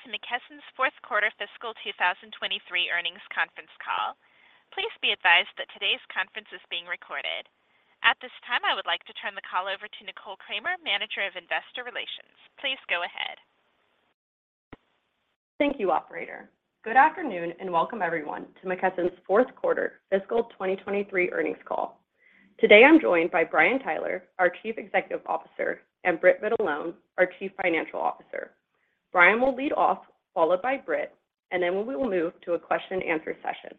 Welcome to McKesson's Q4 fiscal 2023 earnings conference call. Please be advised that today's conference is being recorded. At this time, I would like to turn the call over to Nicole Kramer, Manager of Investor Relations. Please go ahead. Thank you, operator. Good afternoon, and welcome everyone to McKesson's Q4 fiscal 2023 earnings call. Today I'm joined by Brian Tyler, our Chief Executive Officer, and Britt Vitalone, our Chief Financial Officer. Brian will lead off, followed by Britt. Then we will move to a question and answer session.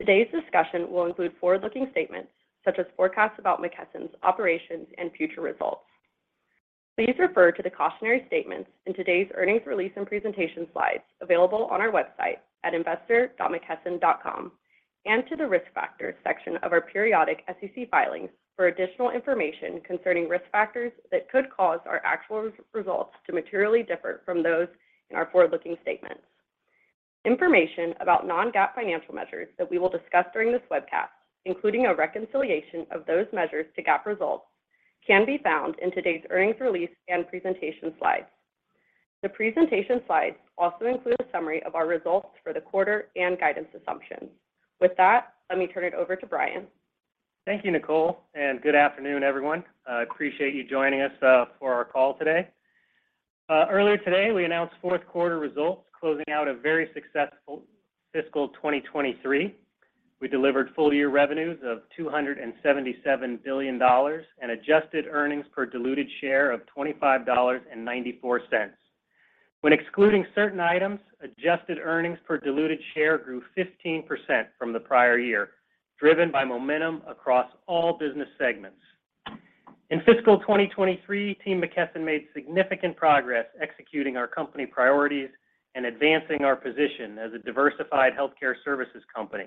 Today's discussion will include forward-looking statements such as forecasts about McKesson's operations and future results. Please refer to the cautionary statements in today's earnings release and presentation slides available on our website at investor.mckesson.com To the Risk Factors section of our periodic SEC filings for additional information concerning risk factors that could cause our actual results to materially differ from those in our forward-looking statements. Information about non-GAAP financial measures that we will discuss during this webcast, including a reconciliation of those measures to GAAP results, can be found in today's earnings release and presentation slides. The presentation slides also include a summary of our results for the quarter and guidance assumptions. With that, let me turn it over to Brian. Thank you, Nicole, and good afternoon, everyone. Appreciate you joining us for our call today. Earlier today, we announced Q4 results closing out a very successful fiscal 2023. We delivered full year revenues of $277 billion and Adjusted Earnings per Diluted Share of $25.94. When excluding certain items, Adjusted Earnings per Diluted Share grew 15% from the prior year, driven by momentum across all business segments. In fiscal 2023, Team McKesson made significant progress executing our company priorities and advancing our position as a diversified healthcare services company.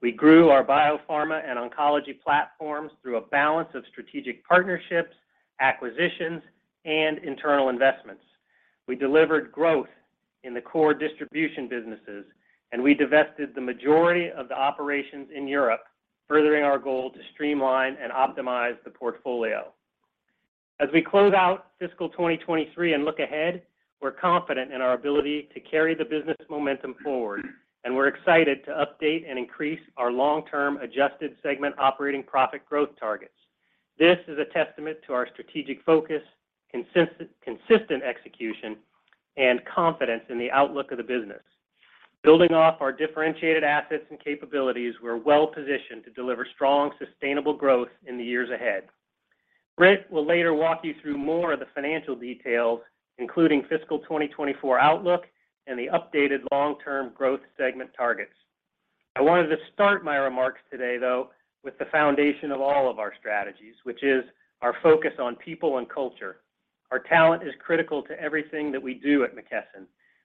We grew our biopharma and oncology platforms through a balance of strategic partnerships, acquisitions, and internal investments. We delivered growth in the core distribution businesses, and we divested the majority of the operations in Europe, furthering our goal to streamline and optimize the portfolio. As we close out fiscal 2023 and look ahead, we're confident in our ability to carry the business momentum forward, and we're excited to update and increase our long-term Adjusted Segment Operating Profit growth targets. This is a testament to our strategic focus, consistent execution, and confidence in the outlook of the business. Building off our differentiated assets and capabilities, we're well positioned to deliver strong, sustainable growth in the years ahead. Britt will later walk you through more of the financial details, including fiscal 2024 outlook and the updated long-term growth segment targets. I wanted to start my remarks today, though, with the foundation of all of our strategies, which is our focus on people and culture. Our talent is critical to everything that we do at McKesson.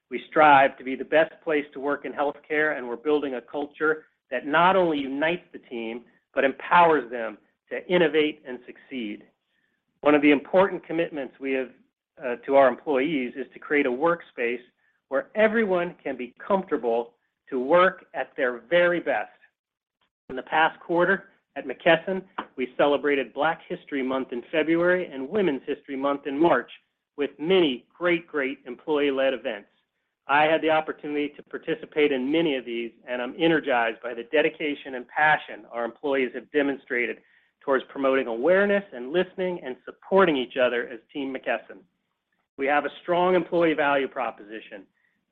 We strive to be the best place to work in healthcare, and we're building a culture that not only unites the team, but empowers them to innovate and succeed. One of the important commitments we have to our employees is to create a workspace where everyone can be comfortable to work at their very best. In the past quarter at McKesson, we celebrated Black History Month in February and Women's History Month in March with many great employee-led events. I had the opportunity to participate in many of these, and I'm energized by the dedication and passion our employees have demonstrated towards promoting awareness and listening and supporting each other as Team McKesson. We have a strong employee value proposition,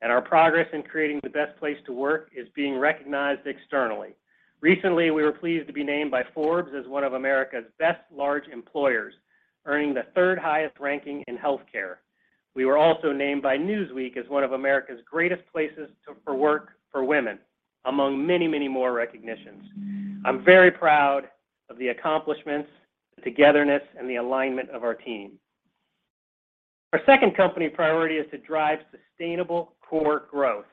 and our progress in creating the best place to work is being recognized externally. Recently, we were pleased to be named by Forbes as one of America's best large employers, earning the third highest ranking in healthcare. We were also named by Newsweek as one of America's greatest places for work for women, among many, many more recognitions. I'm very proud of the accomplishments, the togetherness, and the alignment of our team. Our second company priority is to drive sustainable core growth.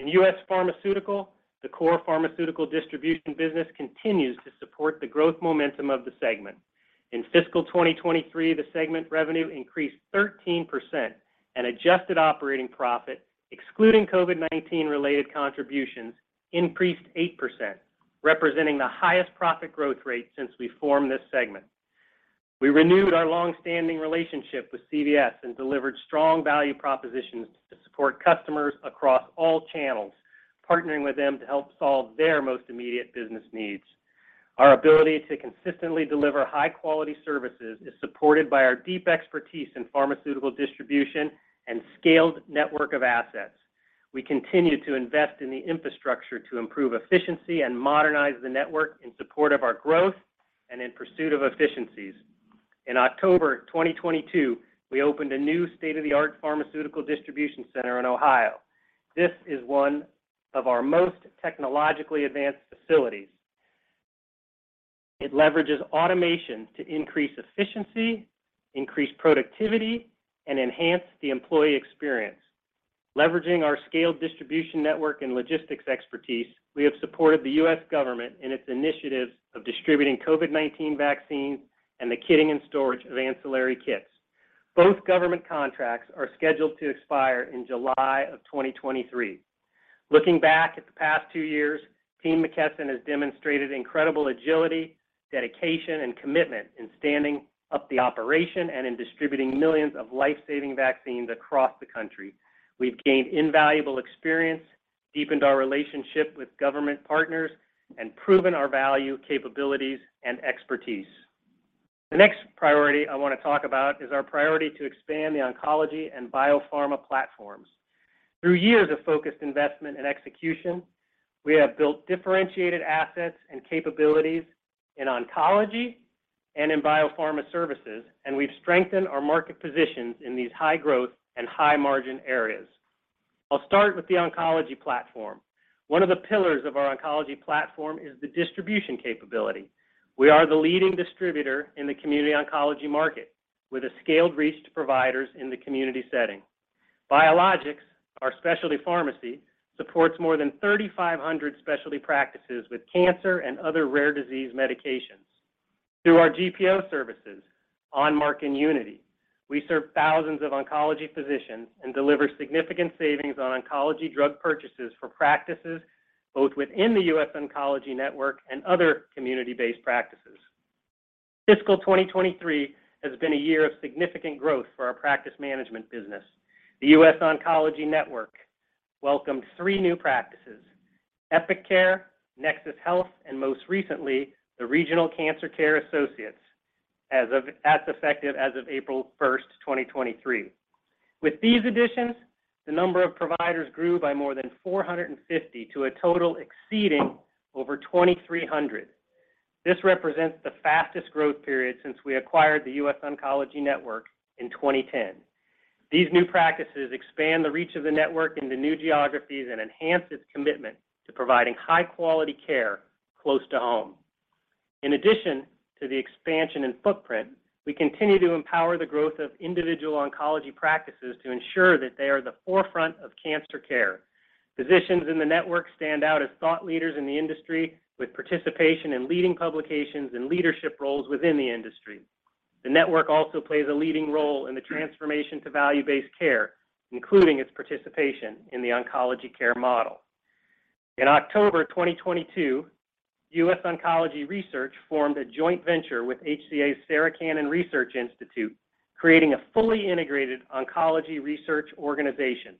In U.S. Pharmaceutical, the core pharmaceutical distribution business continues to support the growth momentum of the segment. In fiscal 2023, the segment revenue increased 13% and Adjusted Operating Profit, excluding COVID-19 related contributions, increased 8%, representing the highest profit growth rate since we formed this segment. We renewed our long-standing relationship with CVS and delivered strong value propositions to support customers across all channels, partnering with them to help solve their most immediate business needs. Our ability to consistently deliver high quality services is supported by our deep expertise in pharmaceutical distribution and scaled network of assets. We continue to invest in the infrastructure to improve efficiency and modernize the network in support of our growth and in pursuit of efficiencies. In October 2022, we opened a new state-of-the-art pharmaceutical distribution center in Ohio. This is one of our most technologically advanced facilities. It leverages automation to increase efficiency, increase productivity, and enhance the employee experience. Leveraging our scaled distribution network and logistics expertise, we have supported the U.S. government in its initiatives of distributing COVID-19 vaccines and the kitting and storage of ancillary kits. Both government contracts are scheduled to expire in July of 2023. Looking back at the past two years, Team McKesson has demonstrated incredible agility, dedication, and commitment in standing up the operation and in distributing millions of life-saving vaccines across the country. We've gained invaluable experience, deepened our relationship with government partners, and proven our value, capabilities, and expertise. The next priority I want to talk about is our priority to expand the oncology and biopharma platforms. Through years of focused investment and execution, we have built differentiated assets and capabilities in oncology and in biopharma services, and we've strengthened our market positions in these high-growth and high-margin areas. I'll start with the oncology platform. One of the pillars of our oncology platform is the distribution capability. We are the leading distributor in the community oncology market, with a scaled reach to providers in the community setting. Biologics, our specialty pharmacy, supports more than 3,500 specialty practices with cancer and other rare disease medications. Through our GPO services, Onmark and Unity, we serve thousands of oncology physicians and deliver significant savings on oncology drug purchases for practices both within The US Oncology Network and other community-based practices. Fiscal 2023 has been a year of significant growth for our practice management business. The US Oncology Network welcomed three new practices, Epic Care, Nexus Health, and most recently, the Regional Cancer Care Associates as effective as of April first, 2023. With these additions, the number of providers grew by more than 450 to a total exceeding over 2,300. This represents the fastest growth period since we acquired The US Oncology Network in 2010. These new practices expand the reach of the network into new geographies and enhance its commitment to providing high-quality care close to home. In addition to the expansion in footprint, we continue to empower the growth of individual oncology practices to ensure that they are the forefront of cancer care. Physicians in the network stand out as thought leaders in the industry, with participation in leading publications and leadership roles within the industry. The network also plays a leading role in the transformation to value-based care, including its participation in the Oncology Care Model. In October 2022, US Oncology Research formed a joint venture with HCA Sarah Cannon Research Institute, creating a fully integrated oncology research organization.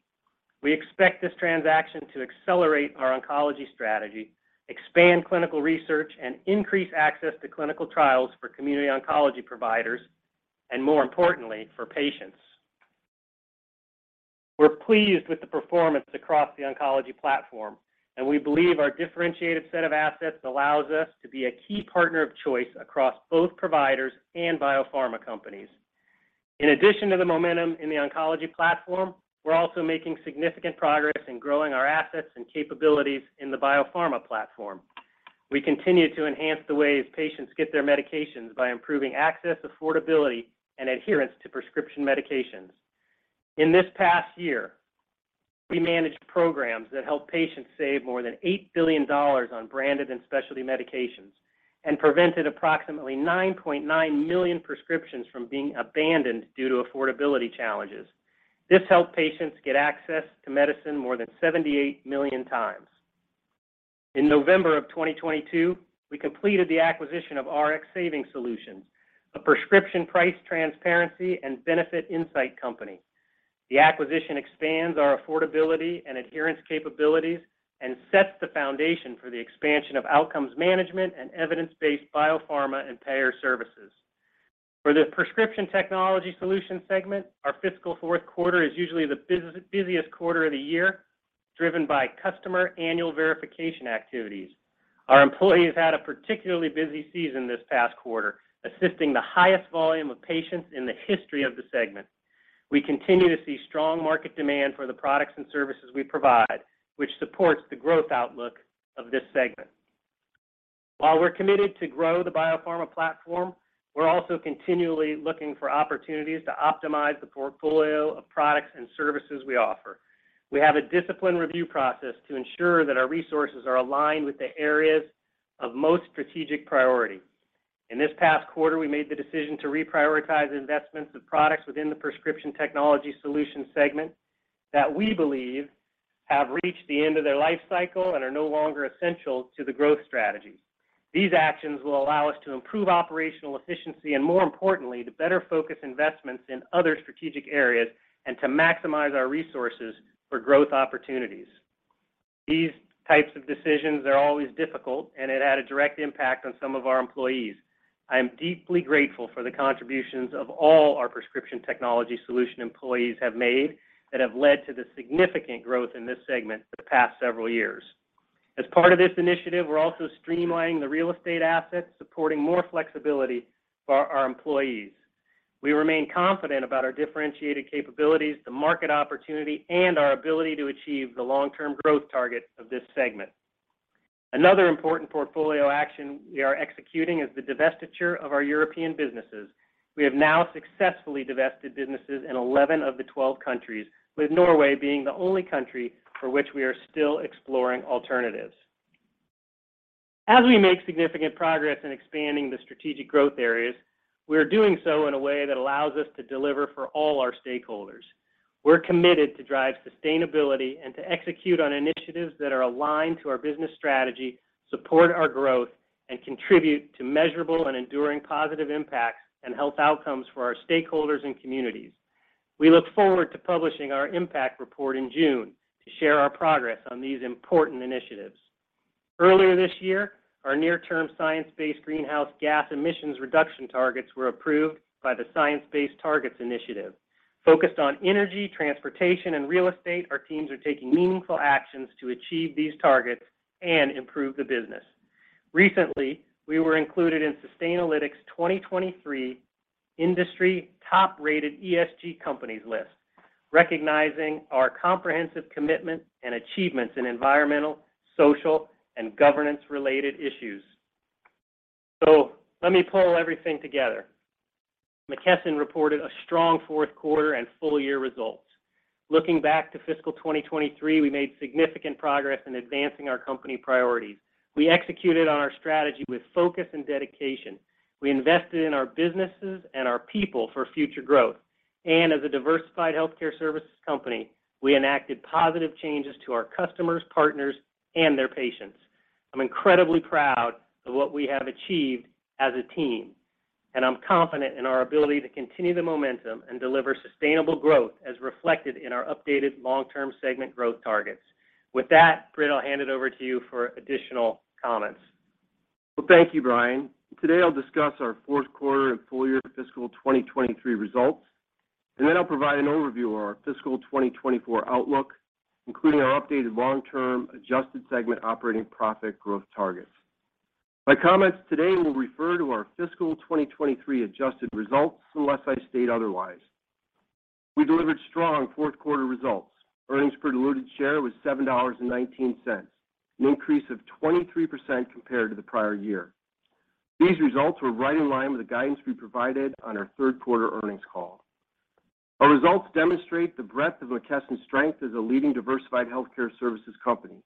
We expect this transaction to accelerate our oncology strategy, expand clinical research, and increase access to clinical trials for community oncology providers and, more importantly, for patients. We're pleased with the performance across the oncology platform. We believe our differentiated set of assets allows us to be a key partner of choice across both providers and biopharma companies. In addition to the momentum in the oncology platform, we're also making significant progress in growing our assets and capabilities in the biopharma platform. We continue to enhance the way patients get their medications by improving access, affordability, and adherence to prescription medications. In this past year, we managed programs that helped patients save more than $8 billion on branded and specialty medications and prevented approximately 9.9 million prescriptions from being abandoned due to affordability challenges. This helped patients get access to medicine more than 78 million times. In November of 2022, we completed the acquisition of Rx Savings Solutions, a prescription price transparency and benefit insight company. The acquisition expands our affordability and adherence capabilities and sets the foundation for the expansion of outcomes management and evidence-based biopharma and payer services. For the Prescription Technology Solutions segment, our fiscal Q4 is usually the busiest quarter of the year, driven by customer annual verification activities. Our employees had a particularly busy season this past quarter, assisting the highest volume of patients in the history of the segment. We continue to see strong market demand for the products and services we provide, which supports the growth outlook of this segment. While we're committed to grow the biopharma platform, we're also continually looking for opportunities to optimize the portfolio of products and services we offer. We have a disciplined review process to ensure that our resources are aligned with the areas of most strategic priority. In this past quarter, we made the decision to reprioritize investments of products within the Prescription Technology Solutions segment that we believe have reached the end of their life cycle and are no longer essential to the growth strategy. These actions will allow us to improve operational efficiency and, more importantly, to better focus investments in other strategic areas and to maximize our resources for growth opportunities. These types of decisions are always difficult. It had a direct impact on some of our employees. I am deeply grateful for the contributions of all our Prescription Technology Solutions employees have made that have led to the significant growth in this segment the past several years. As part of this initiative, we're also streamlining the real estate assets, supporting more flexibility for our employees. We remain confident about our differentiated capabilities, the market opportunity, and our ability to achieve the long-term growth target of this segment. Another important portfolio action we are executing is the divestiture of our European businesses. We have now successfully divested businesses in 11 of the 12 countries, with Norway being the only country for which we are still exploring alternatives. As we make significant progress in expanding the strategic growth areas, we are doing so in a way that allows us to deliver for all our stakeholders. We're committed to drive sustainability and to execute on initiatives that are aligned to our business strategy, support our growth, and contribute to measurable and enduring positive impacts and health outcomes for our stakeholders and communities. We look forward to publishing our impact report in June to share our progress on these important initiatives. Earlier this year, our near-term science-based greenhouse gas emissions reduction targets were approved by the Science Based Targets initiative. Focused on energy, transportation, and real estate, our teams are taking meaningful actions to achieve these targets and improve the business. Recently, we were included in Sustainalytics' 2023 Industry Top-Rated ESG Companies list, recognizing our comprehensive commitment and achievements in environmental, social, and governance-related issues. Let me pull everything together. McKesson reported a strong Q4 and full-year results. Looking back to fiscal 2023, we made significant progress in advancing our company priorities. We executed on our strategy with focus and dedication. We invested in our businesses and our people for future growth. As a diversified healthcare services company, we enacted positive changes to our customers, partners, and their patients. I'm incredibly proud of what we have achieved as a team, and I'm confident in our ability to continue the momentum and deliver sustainable growth as reflected in our updated long-term segment growth targets. With that, Britt, I'll hand it over to you for additional comments. Well, thank you, Brian. Today, I'll discuss our Q4 and full year fiscal 2023 results, and then I'll provide an overview of our fiscal 2024 outlook, including our updated long-term Adjusted Segment Operating Profit growth targets. My comments today will refer to our fiscal 2023 adjusted results unless I state otherwise. We delivered strong Q4 results. Earnings per diluted share was $7.19, an increase of 23% compared to the prior year. These results were right in line with the guidance we provided on our Q3 earnings call. Our results demonstrate the breadth of McKesson's strength as a leading diversified healthcare services company,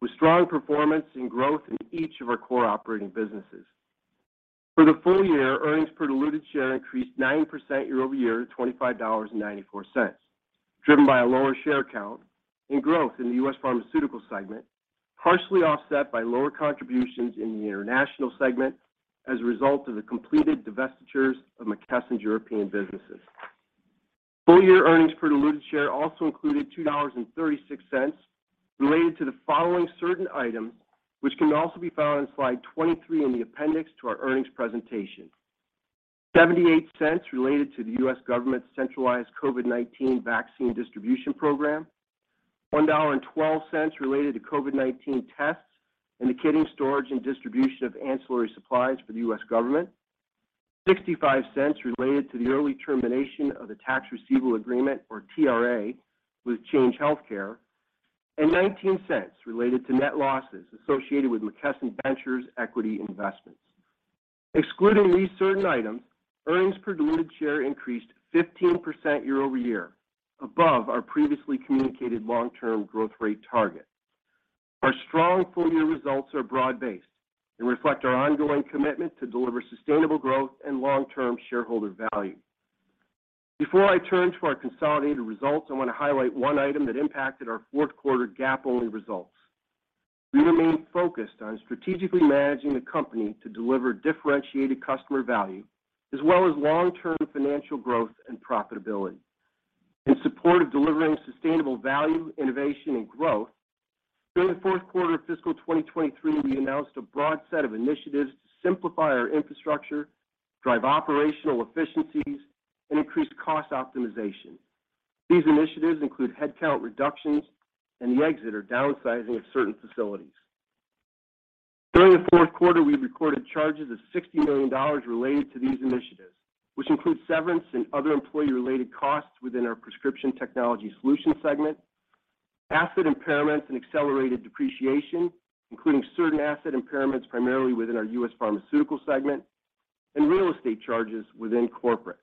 with strong performance and growth in each of our core operating businesses. For the full year, earnings per diluted share increased 9% year-over-year to $25.94, driven by a lower share count and growth in the U.S. Pharmaceutical segment, partially offset by lower contributions in the International segment as a result of the completed divestitures of McKesson European businesses. Full-year earnings per diluted share also included $2.36 related to the following certain items, which can also be found on slide 23 in the appendix to our earnings presentation. $0.78 related to the U.S. government's centralized COVID-19 vaccine distribution program, $1.12 related to COVID-19 tests and the kitting, storage, and distribution of ancillary supplies for the U.S. government, $0.65 related to the early termination of the Tax Receivable Agreement, or TRA, with Change Healthcare, and $0.19 related to net losses associated with McKesson Ventures equity investments. Excluding these certain items, earnings per diluted share increased 15% year-over-year above our previously communicated long-term growth rate target. Our strong full-year results are broad-based and reflect our ongoing commitment to deliver sustainable growth and long-term shareholder value. Before I turn to our consolidated results, I want to highlight one item that impacted our Q4 GAAP-only results. We remain focused on strategically managing the company to deliver differentiated customer value as well as long-term financial growth and profitability. In support of delivering sustainable value, innovation, and growth, during the Q4 of fiscal 2023, we announced a broad set of initiatives to simplify our infrastructure, drive operational efficiencies, and increase cost optimization. These initiatives include headcount reductions and the exit or downsizing of certain facilities. During the Q4, we recorded charges of $60 million related to these initiatives, which include severance and other employee-related costs within our Prescription Technology Solutions segment, asset impairments and accelerated depreciation, including certain asset impairments primarily within our U.S. Pharmaceutical segment, and real estate charges within Corporate.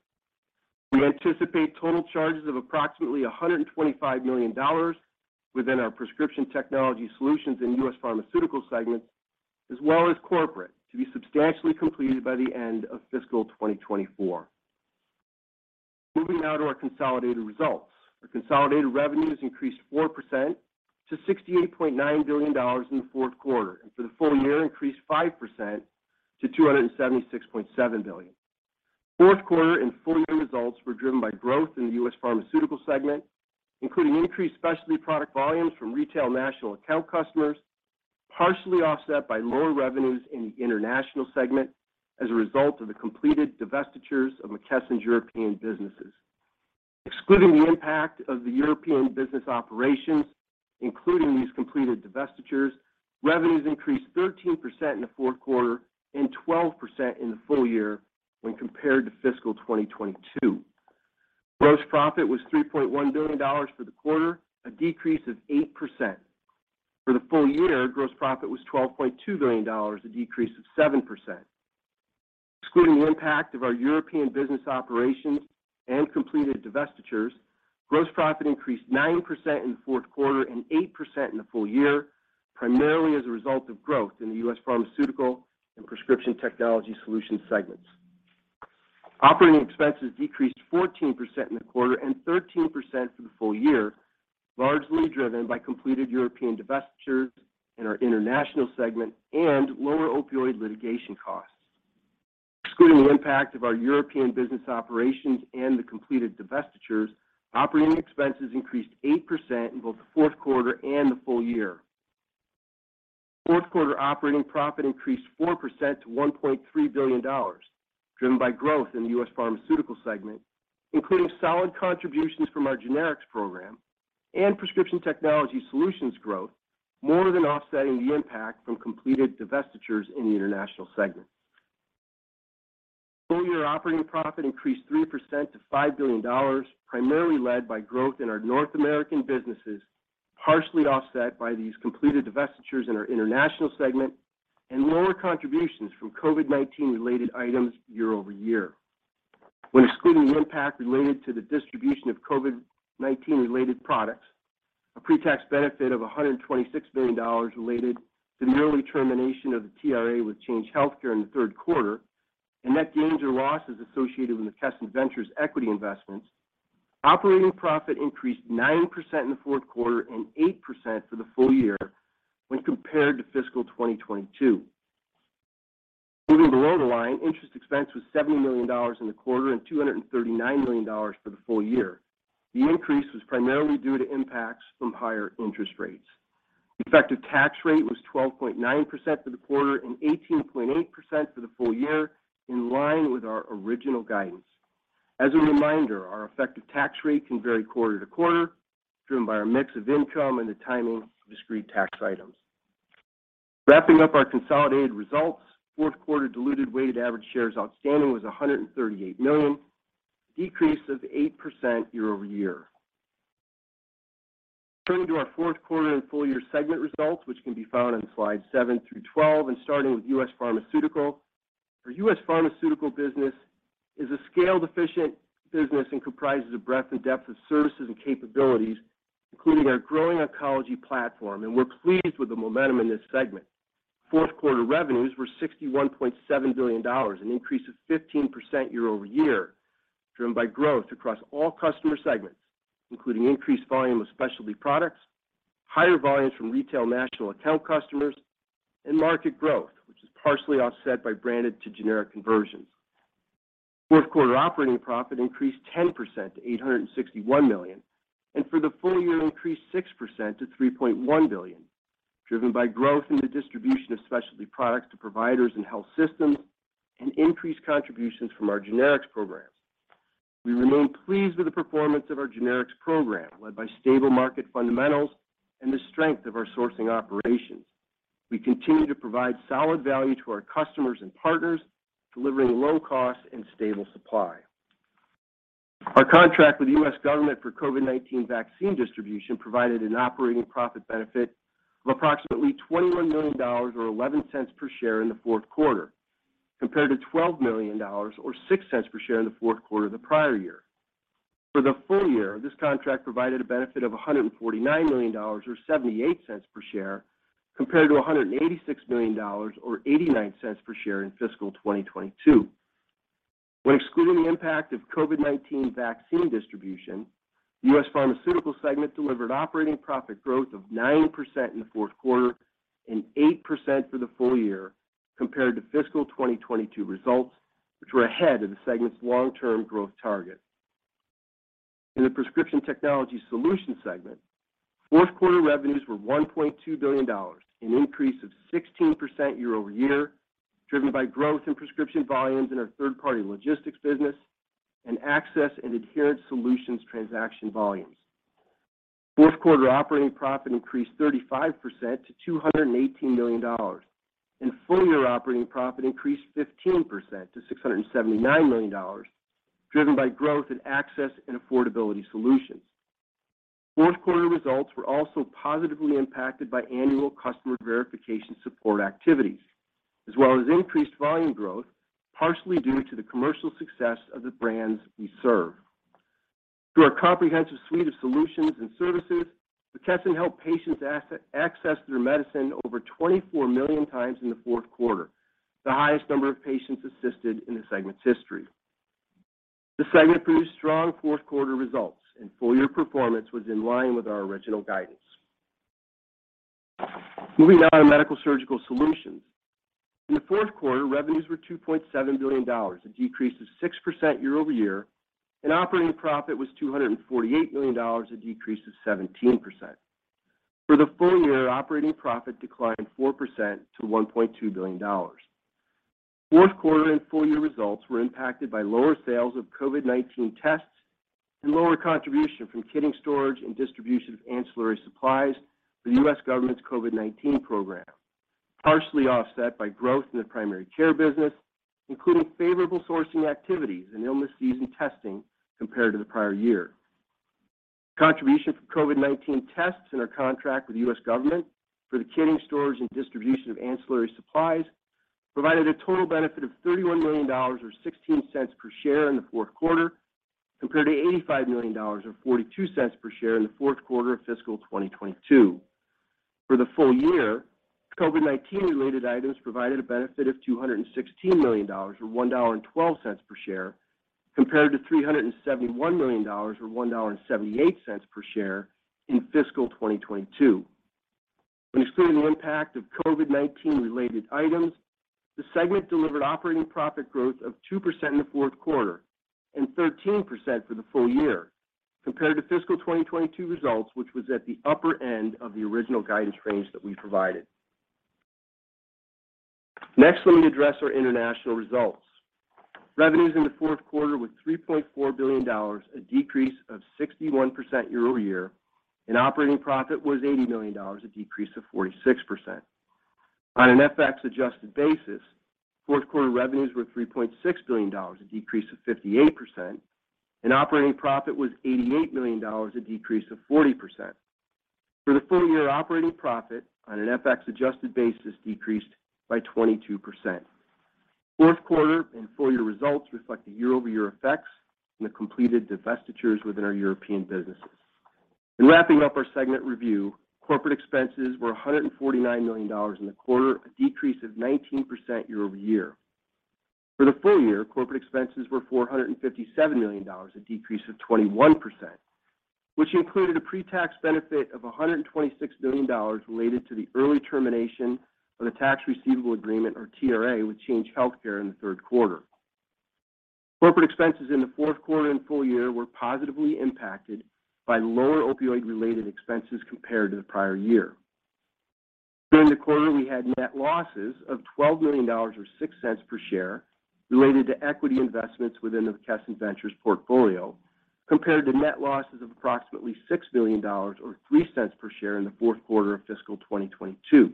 We anticipate total charges of approximately $125 million within our Prescription Technology Solutions and U.S. Pharmaceutical segments, as well as Corporate, to be substantially completed by the end of fiscal 2024. Moving now to our consolidated results. Our consolidated revenues increased 4% to $68.9 billion in the Q4, and for the full year, increased 5% to $276.7 billion. Q4 and full-year results were driven by growth in the U.S. Pharmaceutical segment, including increased specialty product volumes from retail national account customers, partially offset by lower revenues in the International segment as a result of the completed divestitures of McKesson European businesses. Excluding the impact of the European business operations, including these completed divestitures, revenues increased 13% in the Q4 and 12% in the full year when compared to fiscal 2022. Gross profit was $3.1 billion for the quarter, a decrease of 8%. For the full year, gross profit was $12.2 billion, a decrease of 7%. Excluding the impact of our European business operations and completed divestitures, gross profit increased 9% in the Q4 and 8% in the full year, primarily as a result of growth in the U.S. Pharmaceutical and Prescription Technology Solutions segments. Operating expenses decreased 14% in the quarter and 13% for the full year, largely driven by completed European divestitures in our International segment and lower opioid litigation costs. Excluding the impact of our European business operations and the completed divestitures, operating expenses increased 8% in both the Q4 and the full year. Q4 operating profit increased 4% to $1.3 billion, driven by growth in the U.S. Pharmaceutical segment, including solid contributions from our generics program and Prescription Technology Solutions growth, more than offsetting the impact from completed divestitures in the International segment. Full year operating profit increased 3% to $5 billion, primarily led by growth in our North American businesses, partially offset by these completed divestitures in our International segment and lower contributions from COVID-19 related items year-over-year. When excluding the impact related to the distribution of COVID-19 related products, a pre-tax benefit of $126 million related to the early termination of the TRA with Change Healthcare in the Q3, net gains or losses associated with McKesson Ventures equity investments, operating profit increased 9% in the Q4 and 8% for the full year when compared to fiscal 2022. Moving below the line, interest expense was $70 million in the quarter and $239 million for the full year. The increase was primarily due to impacts from higher interest rates. The effective tax rate was 12.9% for the quarter and 18.8% for the full year, in line with our original guidance. As a reminder, our effective tax rate can vary quarter to quarter, driven by our mix of income and the timing of discrete tax items. Wrapping up our consolidated results, Q4 diluted weighted average shares outstanding was 138 million, a decrease of 8% year-over-year. Turning to our Q4 and full year segment results, which can be found on slide 7 through 12 and starting with U.S. Pharmaceutical. Our U.S. Pharmaceutical business is a scaled, efficient business and comprises a breadth and depth of services and capabilities, including our growing oncology platform, and we're pleased with the momentum in this segment. Q4 revenues were $61.7 billion, an increase of 15% year-over-year, driven by growth across all customer segments, including increased volume of specialty products, higher volumes from retail national account customers, and market growth, which is partially offset by branded to generic conversions. Q4 operating profit increased 10% to $861 million, and for the full year, increased 6% to $3.1 billion, driven by growth in the distribution of specialty products to providers and health systems and increased contributions from our generics program. We remain pleased with the performance of our generics program led by stable market fundamentals and the strength of our sourcing operations. We continue to provide solid value to our customers and partners, delivering low cost and stable supply. Our contract with the U.S. government for COVID-19 vaccine distribution provided an operating profit benefit of approximately $21 million or $0.11 per share in the Q4, compared to $12 million or $0.06 per share in the Q4 of the prior year. For the full year, this contract provided a benefit of $149 million or $0.78 per share, compared to $186 million or $0.89 per share in fiscal 2022. Excluding the impact of COVID-19 vaccine distribution, U.S. Pharmaceutical segment delivered operating profit growth of 9% in the Q4 and 8% for the full year compared to fiscal 2022 results, which were ahead of the segment's long-term growth target. In the Prescription Technology Solutions segment, Q4 revenues were $1.2 billion, an increase of 16% year-over-year, driven by growth in prescription volumes in our third-party logistics business and access and adherence solutions transaction volumes. Q4 operating profit increased 35% to $218 million, and full year operating profit increased 15% to $679 million, driven by growth in access and affordability solutions. Q4 results were also positively impacted by annual customer verification support activities, as well as increased volume growth, partially due to the commercial success of the brands we serve. Through our comprehensive suite of solutions and services, McKesson helped patients access their medicine over 24 million times in the Q4, the highest number of patients assisted in the segment's history. The segment produced strong Q4 results, and full year performance was in line with our original guidance. Moving on to Medical-Surgical Solutions. In the Q4, revenues were $2.7 billion, a decrease of 6% year-over-year, and operating profit was $248 million, a decrease of 17%. For the full year, operating profit declined 4% to $1.2 billion. Q4 and full year results were impacted by lower sales of COVID-19 tests and lower contribution from kitting storage and distribution of ancillary supplies for U.S. government's COVID-19 program, partially offset by growth in the primary care business, including favorable sourcing activities and illness season testing compared to the prior year. Contribution from COVID-19 tests and our contract with the U.S. government for the kitting, storage, and distribution of ancillary supplies provided a total benefit of $31 million or $0.16 per share in the Q4, compared to $85 million or $0.42 per share in the Q4 of fiscal 2022. For the full year, COVID-19 related items provided a benefit of $216 million or $1.12 per share, compared to $371 million or $1.78 per share in fiscal 2022. When excluding the impact of COVID-19 related items, the segment delivered operating profit growth of 2% in the Q4 and 13% for the full year compared to fiscal 2022 results, which was at the upper end of the original guidance range that we provided. Next, let me address our international results. Revenues in the Q4 were $3.4 billion, a decrease of 61% year-over-year, and operating profit was $80 million, a decrease of 46%. On an FX-Adjusted basis, Q4 revenues were $3.6 billion, a decrease of 58%, and operating profit was $88 million, a decrease of 40%. For the full year, operating profit on an FX-Adjusted basis decreased by 22%. Q4 and full year results reflect the year-over-year effects and the completed divestitures within our European businesses. In wrapping up our segment review, corporate expenses were $149 million in the quarter, a decrease of 19% year-over-year. For the full year, corporate expenses were $457 million, a decrease of 21%, which included a pre-tax benefit of $126 million related to the early termination of the Tax Receivable Agreement or TRA with Change Healthcare in the Q3. Corporate expenses in the Q4 and full year were positively impacted by lower opioid-related expenses compared to the prior year. During the quarter, we had net losses of $12 million or $0.06 per share related to equity investments within the McKesson Ventures portfolio, compared to net losses of approximately $6 million or $0.03 per share in the Q4 of fiscal 2022.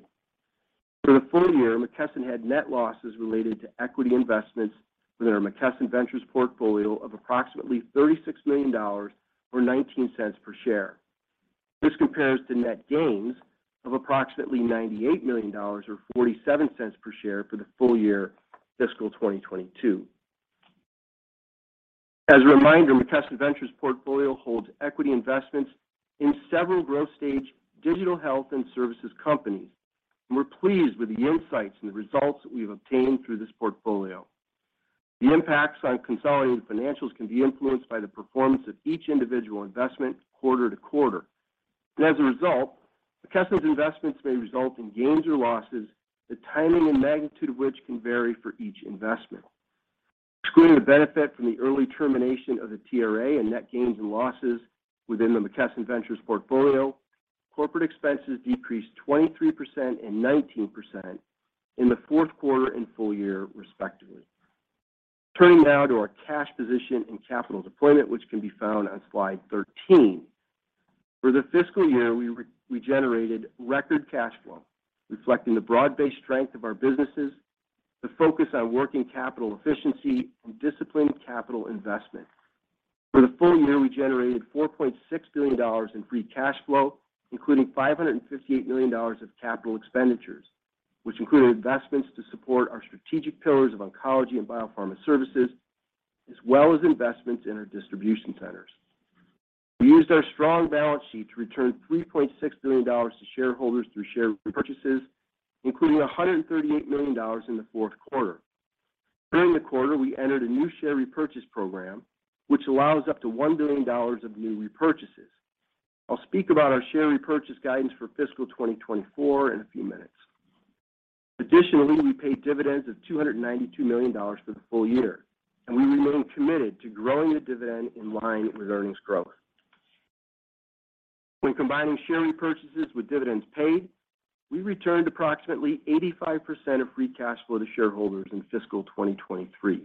For the full year, McKesson had net losses related to equity investments within our McKesson Ventures portfolio of approximately $36 million or $0.19 per share. This compares to net gains of approximately $98 million or $0.47 per share for the full year fiscal 2022. As a reminder, McKesson Ventures portfolio holds equity investments in several growth stage digital health and services companies. We're pleased with the insights and the results that we've obtained through this portfolio. The impacts on consolidated financials can be influenced by the performance of each individual investment quarter to quarter. As a result, McKesson's investments may result in gains or losses, the timing and magnitude of which can vary for each investment. Excluding the benefit from the early termination of the TRA and net gains and losses within the McKesson Ventures portfolio, corporate expenses decreased 23% and 19% in the Q4 and full year, respectively. Turning now to our cash position and capital deployment, which can be found on slide 13. For the fiscal year, we generated record cash flow, reflecting the broad-based strength of our businesses, the focus on working capital efficiency, and disciplined capital investment. For the full year, we generated $4.6 billion in free cash flow, including $558 million of capital expenditures, which included investments to support our strategic pillars of oncology and biopharma services, as well as investments in our distribution centers. We used our strong balance sheet to return $3.6 billion to shareholders through share repurchases, including $138 million in the Q4. During the quarter, we entered a new share repurchase program, which allows up to $1 billion of new repurchases. I'll speak about our share repurchase guidance for fiscal 2024 in a few minutes. Additionally, we paid dividends of $292 million for the full year, and we remain committed to growing the dividend in line with earnings growth. When combining share repurchases with dividends paid, we returned approximately 85% of free cash flow to shareholders in fiscal 2023.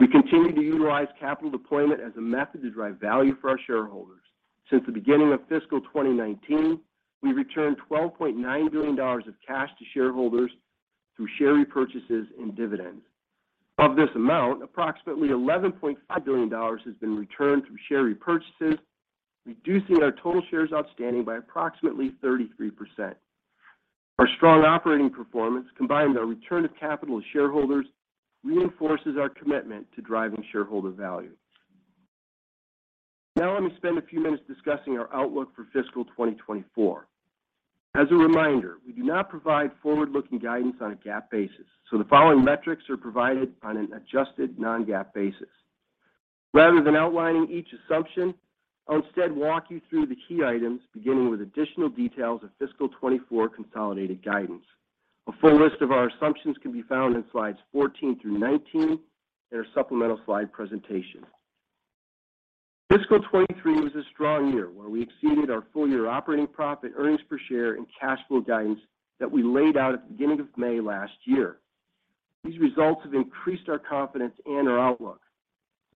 We continue to utilize capital deployment as a method to drive value for our shareholders. Since the beginning of fiscal 2019, we've returned $12.9 billion of cash to shareholders through share repurchases and dividends. Of this amount, approximately $11.5 billion has been returned through share repurchases, reducing our total shares outstanding by approximately 33%. Our strong operating performance, combined with our return of capital to shareholders, reinforces our commitment to driving shareholder value. Let me spend a few minutes discussing our outlook for fiscal 2024. As a reminder, we do not provide forward-looking guidance on a GAAP basis, the following metrics are provided on an adjusted non-GAAP basis. Rather than outlining each assumption, I'll instead walk you through the key items, beginning with additional details of fiscal 24 consolidated guidance. A full list of our assumptions can be found in slides 14 through 19 in our supplemental slide presentation. Fiscal 23 was a strong year where we exceeded our full-year operating profit, earnings per share, and cash flow guidance that we laid out at the beginning of May last year. These results have increased our confidence and our outlook.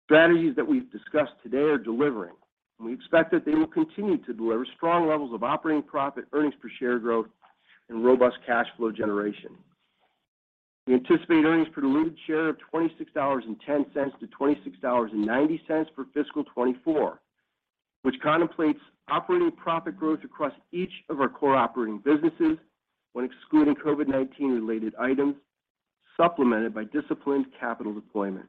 Strategies that we've discussed today are delivering, and we expect that they will continue to deliver strong levels of operating profit, earnings per share growth, and robust cash flow generation. We anticipate earnings per diluted share of $26.10 to $26.90 for fiscal 24, which contemplates operating profit growth across each of our core operating businesses when excluding COVID-19 related items, supplemented by disciplined capital deployment.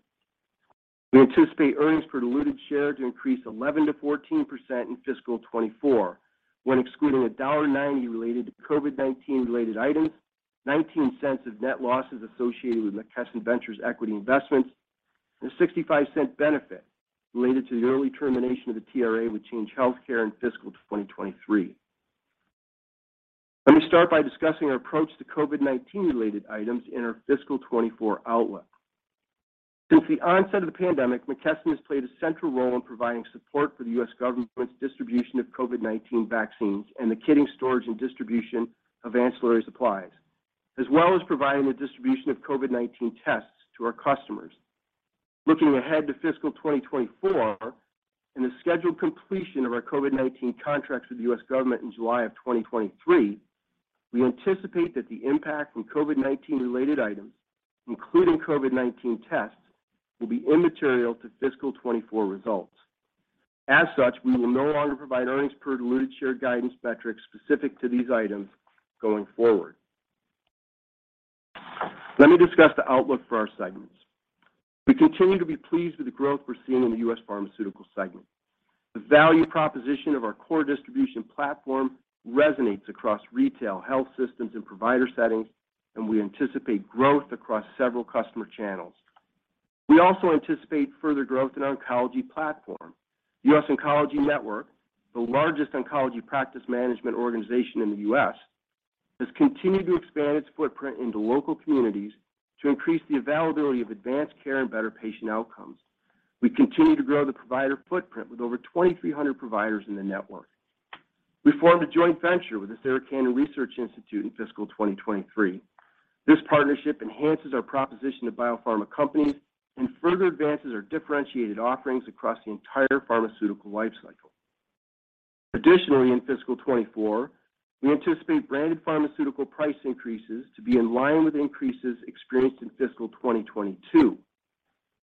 We anticipate earnings per diluted share to increase 11%-14% in fiscal 2024 when excluding a $1.90 related to COVID-19 related items, $0.19 of net losses associated with McKesson Ventures equity investments, and a $0.65 benefit related to the early termination of the TRA with Change Healthcare in fiscal 2023. Let me start by discussing our approach to COVID-19 related items in our fiscal 2024 outlook. Since the onset of the pandemic, McKesson has played a central role in providing support for the U.S. government's distribution of COVID-19 vaccines and the kitting, storage, and distribution of ancillary supplies, as well as providing the distribution of COVID-19 tests to our customers. Looking ahead to fiscal 2024 and the scheduled completion of our COVID-19 contracts with the U.S. government in July of 2023, we anticipate that the impact from COVID-19 related items, including COVID-19 tests, will be immaterial to fiscal 2024 results. As such, we will no longer provide earnings per diluted share guidance metrics specific to these items going forward. Let me discuss the outlook for our segments. We continue to be pleased with the growth we're seeing in the U.S. Pharmaceutical segment. The value proposition of our core distribution platform resonates across retail, health systems, and provider settings, and we anticipate growth across several customer channels. We also anticipate further growth in oncology platform. The US Oncology Network, the largest oncology practice management organization in the U.S., has continued to expand its footprint into local communities to increase the availability of advanced care and better patient outcomes. We continue to grow the provider footprint with over 2,300 providers in the network. We formed a joint venture with the Sarah Cannon Research Institute in fiscal 2023. This partnership enhances our proposition to biopharma companies and further advances our differentiated offerings across the entire pharmaceutical life cycle. Additionally, in fiscal 2024, we anticipate branded pharmaceutical price increases to be in line with increases experienced in fiscal 2022.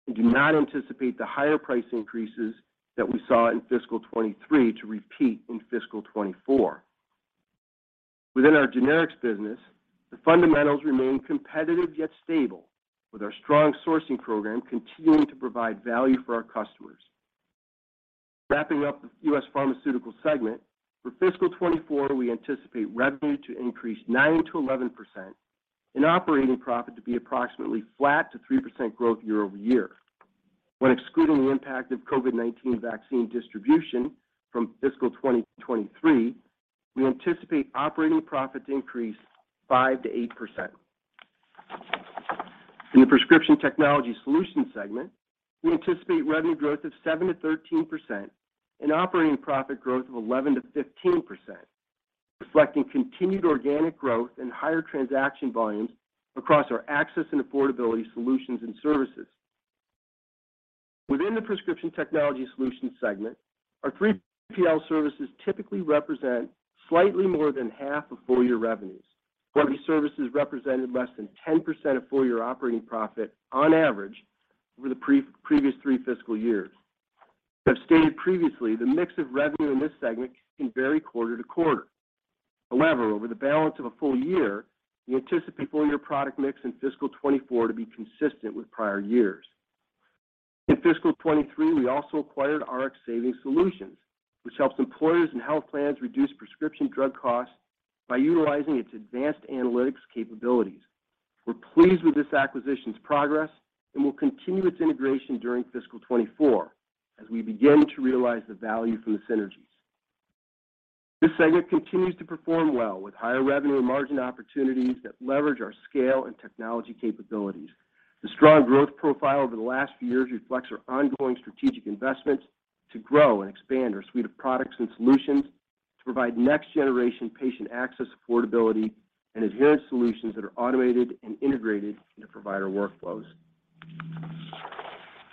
We do not anticipate the higher price increases that we saw in fiscal 2023 to repeat in fiscal 2024. Within our generics business, the fundamentals remain competitive yet stable, with our strong sourcing program continuing to provide value for our customers. Wrapping up the U.S. Pharmaceutical segment, for fiscal 2024, we anticipate revenue to increase 9%-11% and operating profit to be approximately flat to 3% growth year-over-year. When excluding the impact of COVID-19 vaccine distribution from fiscal 2023, we anticipate operating profit to increase 5%-8%. In the Prescription Technology Solutions segment, we anticipate revenue growth of 7%-13% and operating profit growth of 11%-15%, reflecting continued organic growth and higher transaction volumes across our access and affordability solutions and services. Within the Prescription Technology Solutions segment, our three 3PL services typically represent slightly more than half of full year revenues, while these services represented less than 10% of full year operating profit on average over the previous three fiscal years. As stated previously, the mix of revenue in this segment can vary quarter to quarter. However, over the balance of a full year, we anticipate full year product mix in fiscal 2024 to be consistent with prior years. In fiscal 2023, we also acquired Rx Savings Solutions, which helps employers and health plans reduce prescription drug costs by utilizing its advanced analytics capabilities. We're pleased with this acquisition's progress and will continue its integration during fiscal 2024 as we begin to realize the value from the synergies. This segment continues to perform well with higher revenue and margin opportunities that leverage our scale and technology capabilities. The strong growth profile over the last few years reflects our ongoing strategic investments to grow and expand our suite of products and solutions to provide next-generation patient access, affordability, and adherence solutions that are automated and integrated into provider workflows.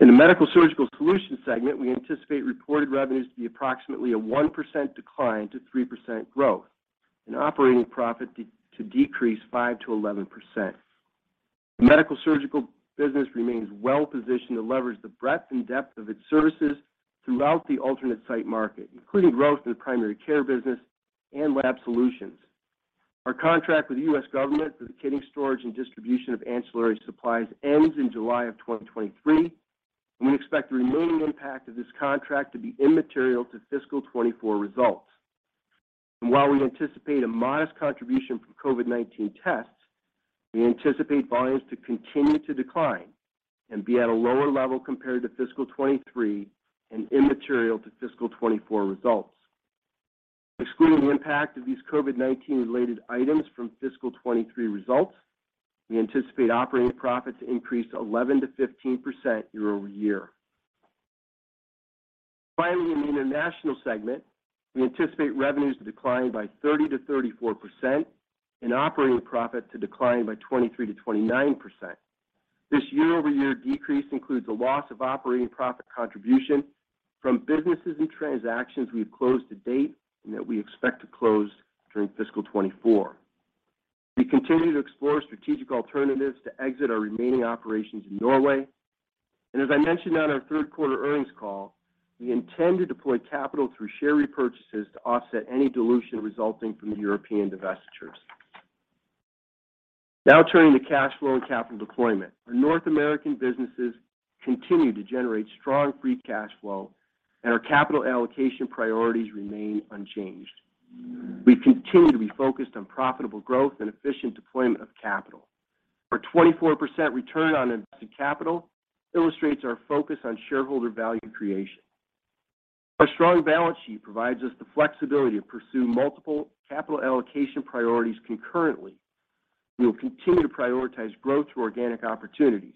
In the Medical-Surgical Solutions segment, we anticipate reported revenues to be approximately a 1% decline to 3% growth and operating profit to decrease 5%-11%. The medical surgical business remains well positioned to leverage the breadth and depth of its services throughout the alternate site market, including growth in the primary care business and lab solutions. Our contract with the U.S. government for the kitting, storage, and distribution of ancillary supplies ends in July of 2023. We expect the remaining impact of this contract to be immaterial to fiscal 2024 results. While we anticipate a modest contribution from COVID-19 tests, we anticipate volumes to continue to decline and be at a lower level compared to fiscal 2023 and immaterial to fiscal 2024 results. Excluding the impact of these COVID-19 related items from fiscal 2023 results, we anticipate operating profit to increase 11%-15% year-over-year. Finally, in the international segment, we anticipate revenues to decline by 30%-34% and operating profit to decline by 23%-29%. Year-over-year decrease includes a loss of operating profit contribution from businesses and transactions we've closed to date and that we expect to close during fiscal 2024. We continue to explore strategic alternatives to exit our remaining operations in Norway. As I mentioned on our Q3 earnings call, we intend to deploy capital through share repurchases to offset any dilution resulting from the European divestitures. Now turning to cash flow and capital deployment. Our North American businesses continue to generate strong free cash flow, our capital allocation priorities remain unchanged. We continue to be focused on profitable growth and efficient deployment of capital. Our 24% return on invested capital illustrates our focus on shareholder value creation. Our strong balance sheet provides us the flexibility to pursue multiple capital allocation priorities concurrently. We will continue to prioritize growth through organic opportunities,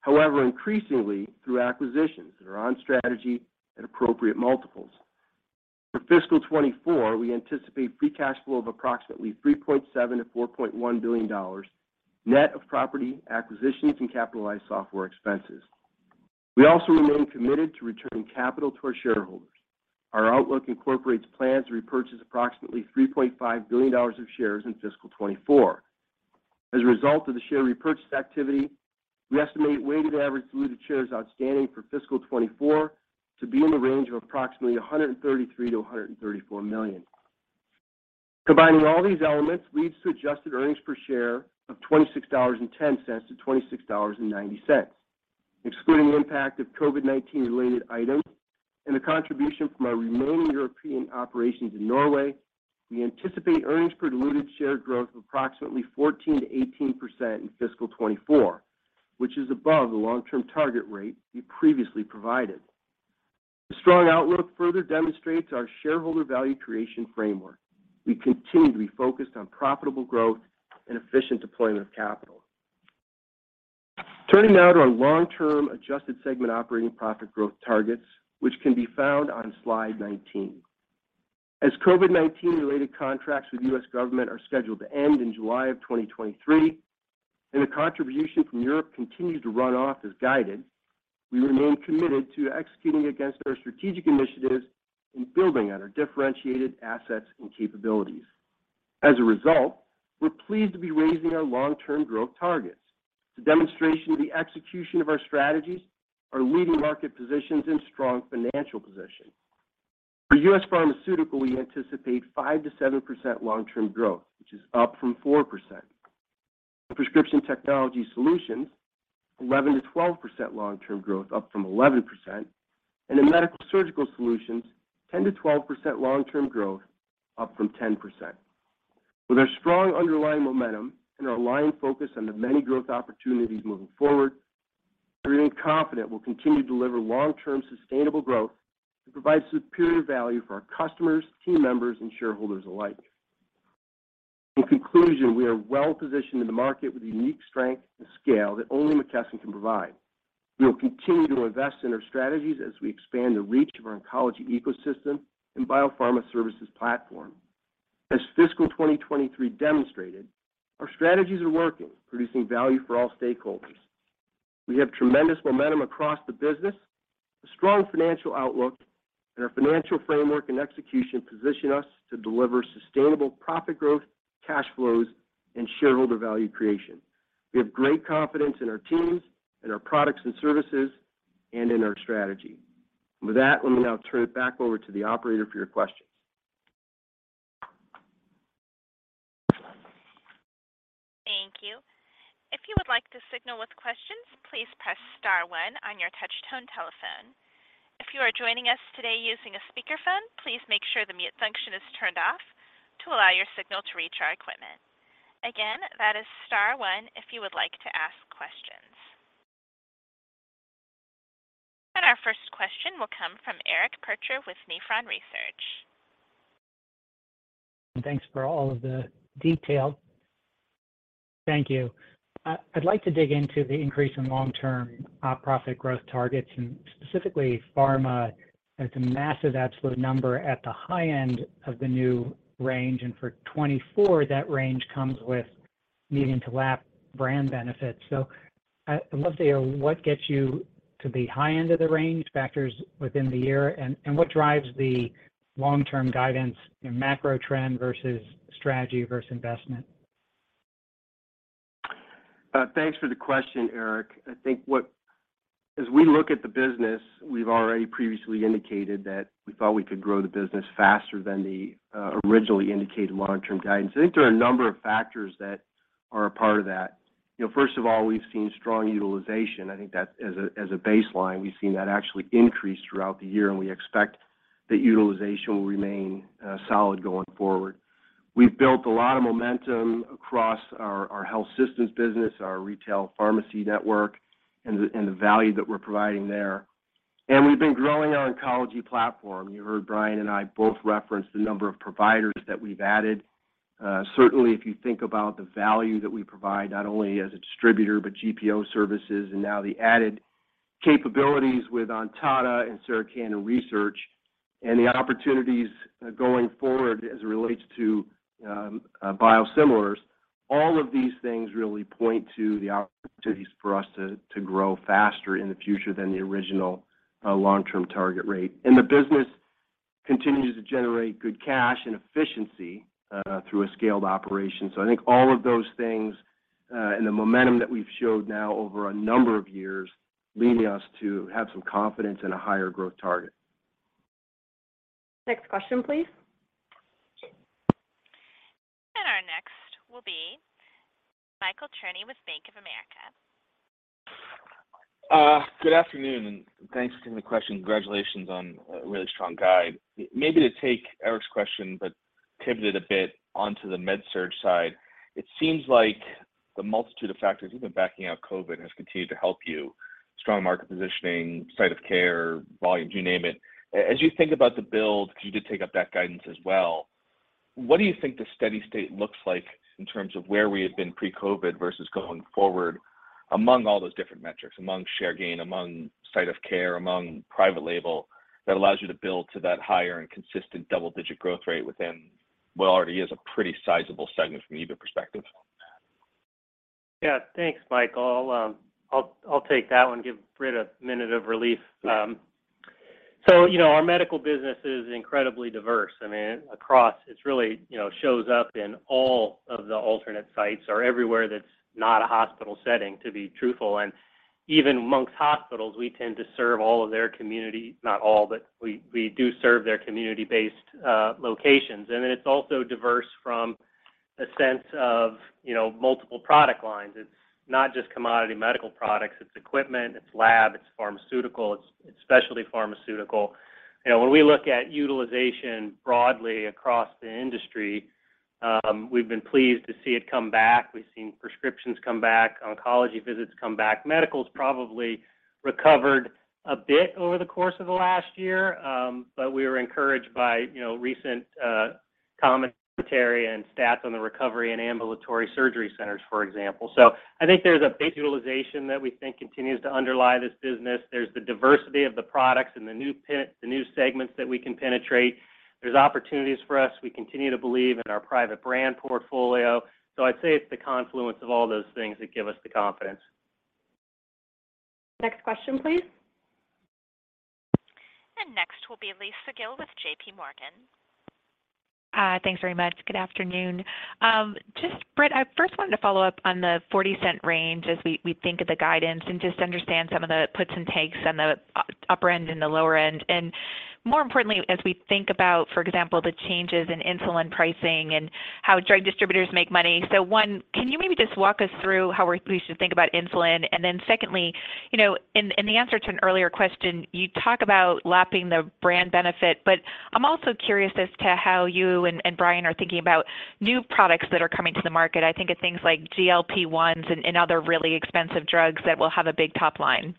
however, increasingly through acquisitions that are on strategy at appropriate multiples. For fiscal 2024, we anticipate free cash flow of approximately $3.7 billion-$4.1 billion, net of property acquisitions and capitalized software expenses. We also remain committed to returning capital to our shareholders. Our outlook incorporates plans to repurchase approximately $3.5 billion of shares in fiscal 2024. As a result of the share repurchase activity, we estimate weighted average diluted shares outstanding for fiscal 2024 to be in the range of approximately 133 million-134 million. Combining all these elements leads to Adjusted Earnings per Share of $26.10-$26.90. Excluding the impact of COVID-19 related items and the contribution from our remaining European operations in Norway, we anticipate earnings per diluted share growth of approximately 14%-18% in fiscal 2024, which is above the long-term target rate we previously provided. The strong outlook further demonstrates our shareholder value creation framework. We continue to be focused on profitable growth and efficient deployment of capital. Turning now to our long-term Adjusted Segment Operating Profit growth targets, which can be found on slide 19. As COVID-19 related contracts with U.S. government are scheduled to end in July of 2023, and the contribution from Europe continues to run off as guided, we remain committed to executing against our strategic initiatives and building on our differentiated assets and capabilities. As a result, we're pleased to be raising our long-term growth targets. It's a demonstration of the execution of our strategies, our leading market positions and strong financial position. For U.S. Pharmaceutical, we anticipate 5%-7% long-term growth, which is up from 4%. For Prescription Technology Solutions, 11%-12% long-term growth, up from 11%. In Medical-Surgical Solutions, 10%-12% long-term growth, up from 10%. With our strong underlying momentum and our aligned focus on the many growth opportunities moving forward, I remain confident we'll continue to deliver long-term sustainable growth to provide superior value for our customers, team members, and shareholders alike. In conclusion, we are well-positioned in the market with a unique strength and scale that only McKesson can provide. We will continue to invest in our strategies as we expand the reach of our oncology ecosystem and biopharma services platform. As fiscal 2023 demonstrated, our strategies are working, producing value for all stakeholders. We have tremendous momentum across the business, a strong financial outlook, Our financial framework and execution position us to deliver sustainable profit growth, cash flows, and shareholder value creation. We have great confidence in our teams, in our products and services, and in our strategy. With that, let me now turn it back over to the operator for your questions. Thank you. If you would like to signal with questions, please press star one on your touch tone telephone. If you are joining us today using a speakerphone, please make sure the mute function is turned off to allow your signal to reach our equipment. Again, that is star one if you would like to ask questions. Our first question will come from Eric Percher with Nephron Research. Thanks for all of the detail. Thank you. I'd like to dig into the increase in long-term profit growth targets, and specifically pharma has a massive absolute number at the high end of the new range. For 2024, that range comes with needing to lap brand benefits. Unless there, what gets you to the high end of the range factors within the year, and what drives the long-term guidance in macro trend versus strategy versus investment? Thanks for the question, Eric. I think as we look at the business, we've already previously indicated that we thought we could grow the business faster than the originally indicated long-term guidance. I think there are a number of factors that are a part of that. You know, first of all, we've seen strong utilization. I think that as a baseline, we've seen that actually increase throughout the year, and we expect that utilization will remain solid going forward. We've built a lot of momentum across our health systems business, our retail pharmacy network, and the value that we're providing there. We've been growing our oncology platform. You heard Brian and I both reference the number of providers that we've added. Certainly, if you think about the value that we provide, not only as a distributor, but GPO services, and now the added capabilities with Ontada and Sarah Cannon Research and the opportunities going forward as it relates to biosimilars, all of these things really point to the opportunities for us to grow faster in the future than the original long-term target rate. The business continues to generate good cash and efficiency through a scaled operation. I think all of those things and the momentum that we've showed now over a number of years leading us to have some confidence in a higher growth target. Next question, please. Our next will be Michael Cherny with Bank of America. Good afternoon, thanks for taking the question. Congratulations on a really strong guide. Maybe to take Eric's question, pivot it a bit onto the med surg side, it seems like the multitude of factors, even backing out COVID, has continued to help you. Strong market positioning, site of care, volumes, you name it. As you think about the build, because you did take up that guidance as well, what do you think the steady state looks like in terms of where we had been pre-COVID versus going forward among all those different metrics, among share gain, among site of care, among private label, that allows you to build to that higher and consistent double-digit growth rate within what already is a pretty sizable segment from an EBIT perspective? Thanks, Mike. I'll take that one, give Britt a minute of relief. You know, our medical business is incredibly diverse. I mean, across, it's really, you know, shows up in all of the alternate sites or everywhere that's not a hospital setting, to be truthful. Even amongst hospitals, we tend to serve all of their community, not all, but we do serve their community-based locations. It's also diverse from a sense of, you know, multiple product lines. It's not just commodity medical products, it's equipment, it's lab, it's pharmaceutical, it's specialty pharmaceutical. You know, when we look at utilization broadly across the industry, we've been pleased to see it come back. We've seen prescriptions come back, oncology visits come back. Medical's probably recovered a bit over the course of the last year. We were encouraged by, you know, recent commentary and stats on the recovery and ambulatory surgery centers, for example. I think there's a big utilization that we think continues to underlie this business. There's the diversity of the products and the new segments that we can penetrate. There's opportunities for us. We continue to believe in our private brand portfolio. I'd say it's the confluence of all those things that give us the confidence. Next question, please. Next will be Lisa Gill with JPMorgan. Thanks very much. Good afternoon. Just, Britt, I first wanted to follow up on the $0.40 range as we think of the guidance and just understand some of the puts and takes on the upper end and the lower end. More importantly, as we think about, for example, the changes in insulin pricing and how drug distributors make money. One, can you maybe just walk us through how we should think about insulin? Then secondly, you know, in the answer to an earlier question, you talk about lapping the brand benefit, but I'm also curious as to how you and Brian are thinking about new products that are coming to the market. I think of things like GLP-1s and other really expensive drugs that will have a big top line.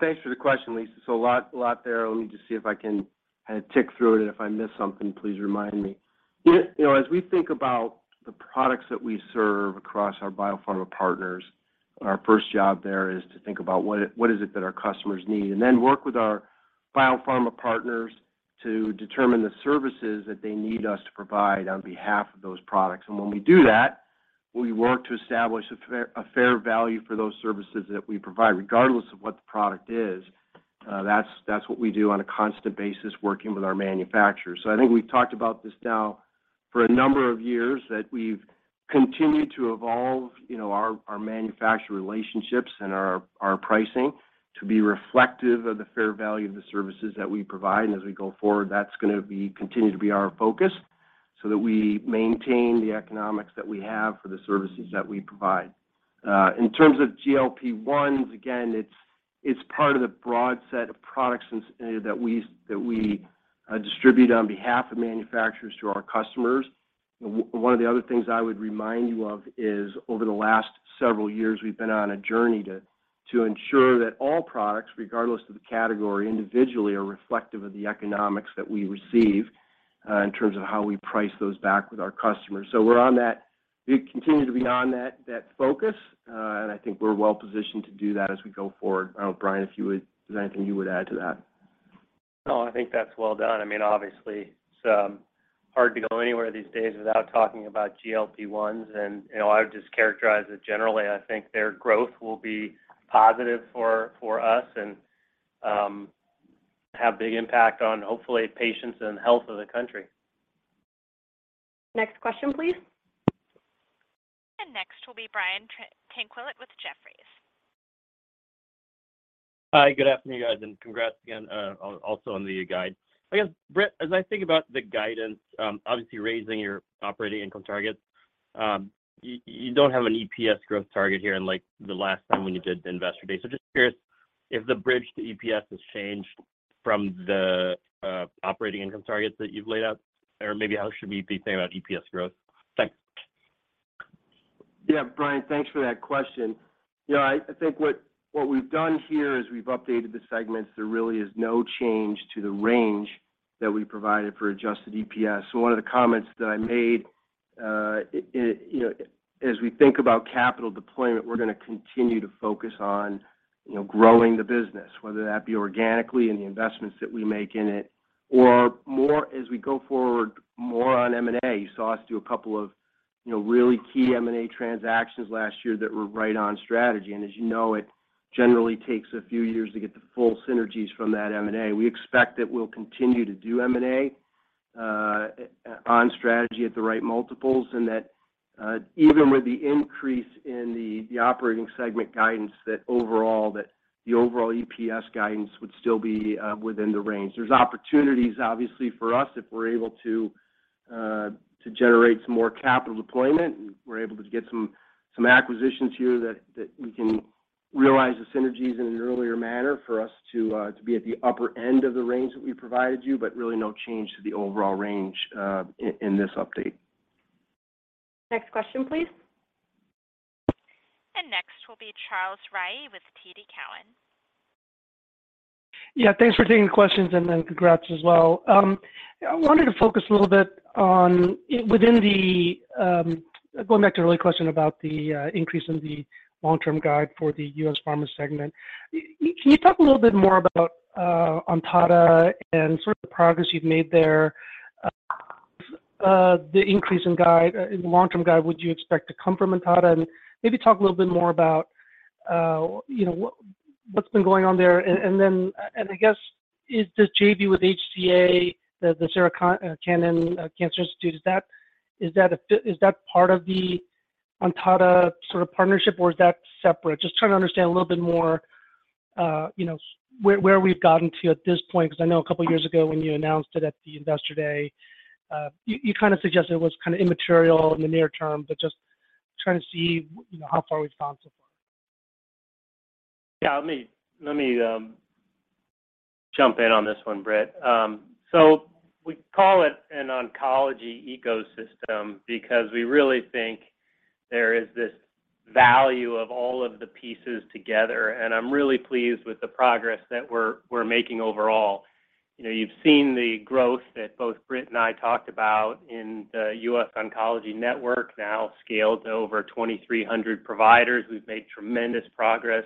Thanks for the question, Lisa. A lot there. Let me just see if I can kind of tick through it, and if I miss something, please remind me. You know, as we think about the products that we serve across our biopharma partners, our first job there is to think about what is it that our customers need, and then work with our biopharma partners to determine the services that they need us to provide on behalf of those products. When we do that, we work to establish a fair value for those services that we provide, regardless of what the product is. That's what we do on a constant basis working with our manufacturers. I think we've talked about this now for a number of years, that we've continued to evolve, you know, our manufacturer relationships and our pricing to be reflective of the fair value of the services that we provide. As we go forward, that's gonna continue to be our focus so that we maintain the economics that we have for the services that we provide. In terms of GLP-1, again, it's part of the broad set of products that we distribute on behalf of manufacturers to our customers. One of the other things I would remind you of is over the last several years, we've been on a journey to ensure that all products, regardless of the category individually, are reflective of the economics that we receive in terms of how we price those back with our customers. We're on that. We continue to be on that focus, and I think we're well positioned to do that as we go forward. I don't know, Brian, if you would, is there anything you would add to that? I think that's well done. I mean, obviously, it's hard to go anywhere these days without talking about GLP-1s and, you know, I would just characterize it generally. I think their growth will be positive for us and have big impact on hopefully patients and health of the country. Next question, please. Next will be Brian Tanquilut with Jefferies. Hi, good afternoon, guys. Congrats again, also on the guide. I guess, Britt, as I think about the guidance, obviously raising your operating income targets, you don't have an EPS growth target here unlike the last time when you did the investor day. Just curious if the bridge to EPS has changed from the operating income targets that you've laid out, or maybe how should we be thinking about EPS growth? Thanks. Yeah, Brian, thanks for that question. You know, I think what we've done here is we've updated the segments. There really is no change to the range that we provided for Adjusted EPS. One of the comments that I made You know, as we think about capital deployment, we're gonna continue to focus on, you know, growing the business, whether that be organically in the investments that we make in it or more as we go forward, more on M&A. You saw us do a couple of, you know, really key M&A transactions last year that were right on strategy. As you know, it generally takes a few years to get the full synergies from that M&A. We expect that we'll continue to do M&A on strategy at the right multiples, and that even with the increase in the operating segment guidance, that the overall EPS guidance would still be within the range. There's opportunities obviously for us if we're able to to generate some more capital deployment, and we're able to get some acquisitions here that we can realize the synergies in an earlier manner for us to to be at the upper end of the range that we provided you, but really no change to the overall range in this update. Next question, please. Next will be Charles Rhyee with TD Cowen. Yeah, thanks for taking the questions, then congrats as well. I wanted to focus a little bit on within the going back to an early question about the increase in the long-term guide for the US Pharma segment. Can you talk a little bit more about Ontada and sort of the progress you've made there? The increase in guide, in the long-term guide, would you expect to come from Ontada? Maybe talk a little bit more about, you know, what's been going on there. I guess, is this JV with HCA, the Sarah Cannon Research Institute, is that part of the Ontada sort of partnership, or is that separate? Just trying to understand a little bit more, you know, where we've gotten to at this point, because I know a couple of years ago when you announced it at the Investor Day, you kind of suggested it was kind of immaterial in the near term, but just trying to see, you know, how far we've gotten so far. Yeah. Let me jump in on this one, Britt. We call it an oncology ecosystem because we really think there is this value of all of the pieces together, and I'm really pleased with the progress that we're making overall. You know, you've seen the growth that both Britt and I talked about in The US Oncology Network, now scaled to over 2,300 providers. We've made tremendous progress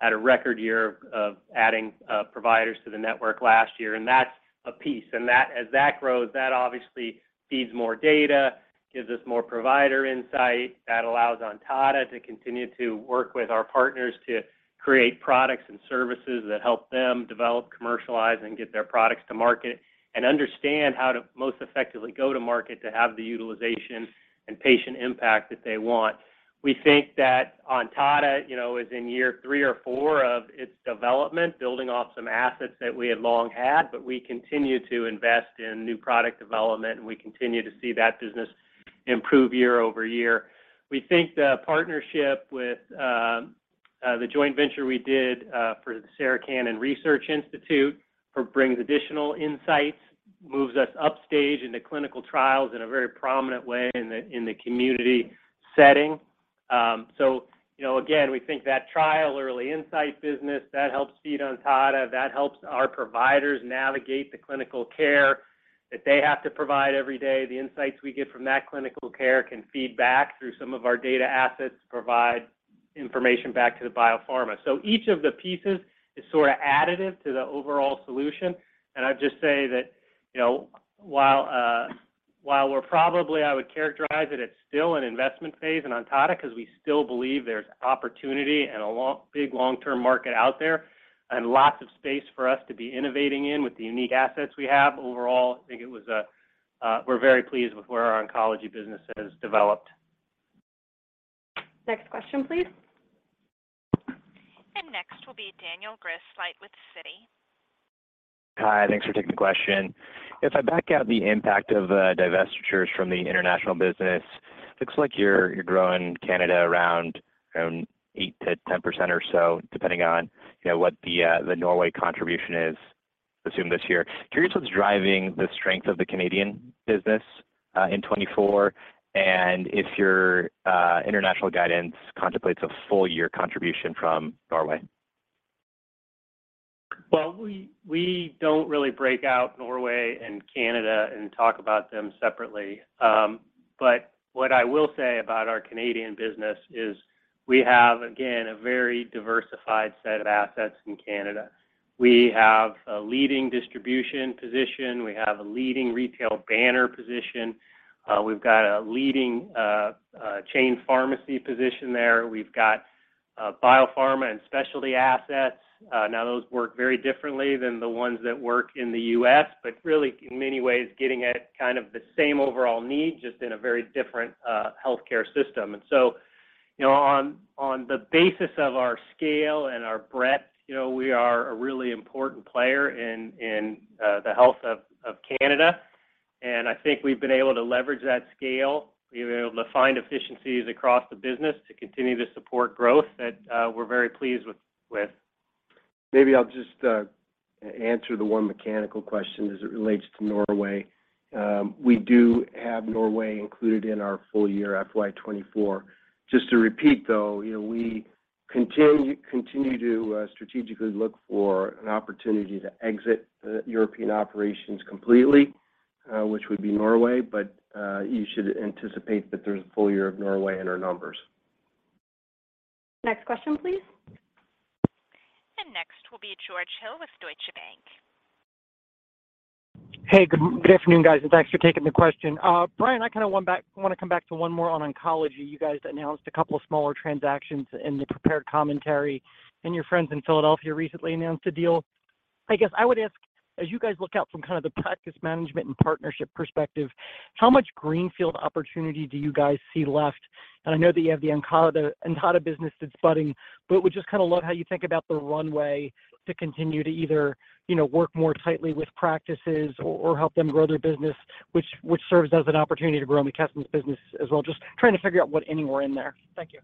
at a record year of adding providers to the network last year, and that's a piece. As that grows, that obviously feeds more data, gives us more provider insight. That allows Ontada to continue to work with our partners to create products and services that help them develop, commercialize, and get their products to market and understand how to most effectively go to market to have the utilization and patient impact that they want. We think that Ontada, you know, is in year three or four of its development, building off some assets that we had long had, but we continue to invest in new product development, and we continue to see that business improve year-over-year. We think the partnership with the joint venture we did for the Sarah Cannon Research Institute brings additional insights, moves us upstage into clinical trials in a very prominent way in the community setting. you know, again, we think that trial early insight business, that helps feed Ontada, that helps our providers navigate the clinical care that they have to provide every day. The insights we get from that clinical care can feed back through some of our data assets to provide information back to the biopharma. Each of the pieces is sort of additive to the overall solution. I'd just say that, you know, while we're probably, I would characterize it's still an investment phase in Ontada because we still believe there's opportunity and a big long-term market out there and lots of space for us to be innovating in with the unique assets we have. Overall, I think it was a, we're very pleased with where our oncology business has developed. Next question, please. Next will be Daniel Grosslight with Citi. Hi, thanks for taking the question. If I back out the impact of divestitures from the international business, looks like you're growing Canada around 8%-10% or so, depending on, you know, what the Norway contribution is, assume this year. Curious what's driving the strength of the Canadian business, in 2024, and if your international guidance contemplates a full year contribution from Norway? Well, we don't really break out Norway and Canada and talk about them separately. But what I will say about our Canadian business is we have, again, a very diversified set of assets in Canada. We have a leading distribution position. We have a leading retail banner position. We've got a leading chain pharmacy position there. We've got biopharma and specialty assets. Now those work very differently than the ones that work in the U.S., but really in many ways, getting at kind of the same overall need, just in a very different healthcare system. And so, you know, on the basis of our scale and our breadth, you know, we are a really important player in the health of Canada. And I think we've been able to leverage that scale. We've been able to find efficiencies across the business to continue to support growth that, we're very pleased with. Maybe I'll just answer the one mechanical question as it relates to Norway. We do have Norway included in our full year FY 2024. Just to repeat, though, you know, we continue to strategically look for an opportunity to exit the European operations completely, which would be Norway. You should anticipate that there's a full year of Norway in our numbers. Next question, please. Next will be George Hill with Deutsche Bank. Hey, good afternoon, guys, and thanks for taking the question. Brian, I kinda wanna come back to 1 more on oncology. You guys announced a couple of smaller transactions in the prepared commentary, and your friends in Philadelphia recently announced a deal. I guess I would ask, as you guys look out from kind of the practice management and partnership perspective, how much greenfield opportunity do you guys see left? I know that you have the Ontada business that's budding, but would just kinda love how you think about the runway to continue to either, you know, work more tightly with practices or help them grow their business, which serves as an opportunity to grow McKesson's business as well. Just trying to figure out what inning we're in there. Thank you.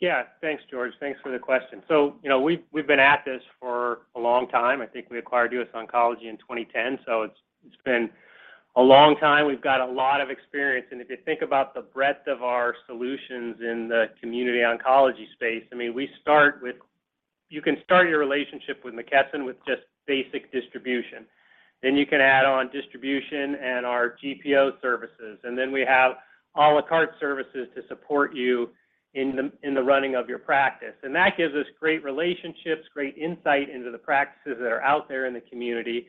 Yeah. Thanks, George. Thanks for the question. You know, we've been at this for a long time. I think we acquired The US Oncology Network in 2010, it's been a long time. We've got a lot of experience. If you think about the breadth of our solutions in the community oncology space, I mean, we start with. You can start your relationship with McKesson with just basic distribution. You can add on distribution and our GPO services. We have à la carte services to support you in the running of your practice. That gives us great relationships, great insight into the practices that are out there in the community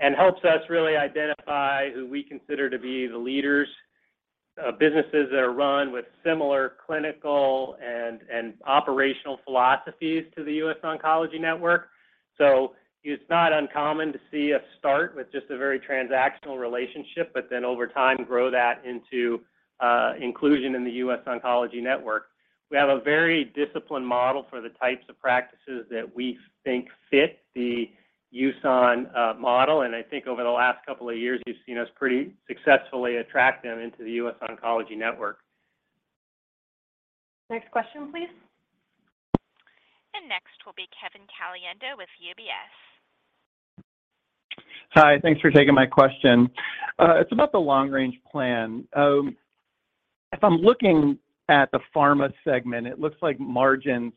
and helps us really identify who we consider to be the leaders of businesses that are run with similar clinical and operational philosophies to The US Oncology Network. It's not uncommon to see us start with just a very transactional relationship, but then over time, grow that into inclusion in The US Oncology Network. We have a very disciplined model for the types of practices that we think fit the USON model. I think over the last couple of years, you've seen us pretty successfully attract them into The US Oncology Network. Next question, please. Next will be Kevin Caliendo with UBS. Hi. Thanks for taking my question. It's about the long-range plan. If I'm looking at the pharma segment, it looks like margins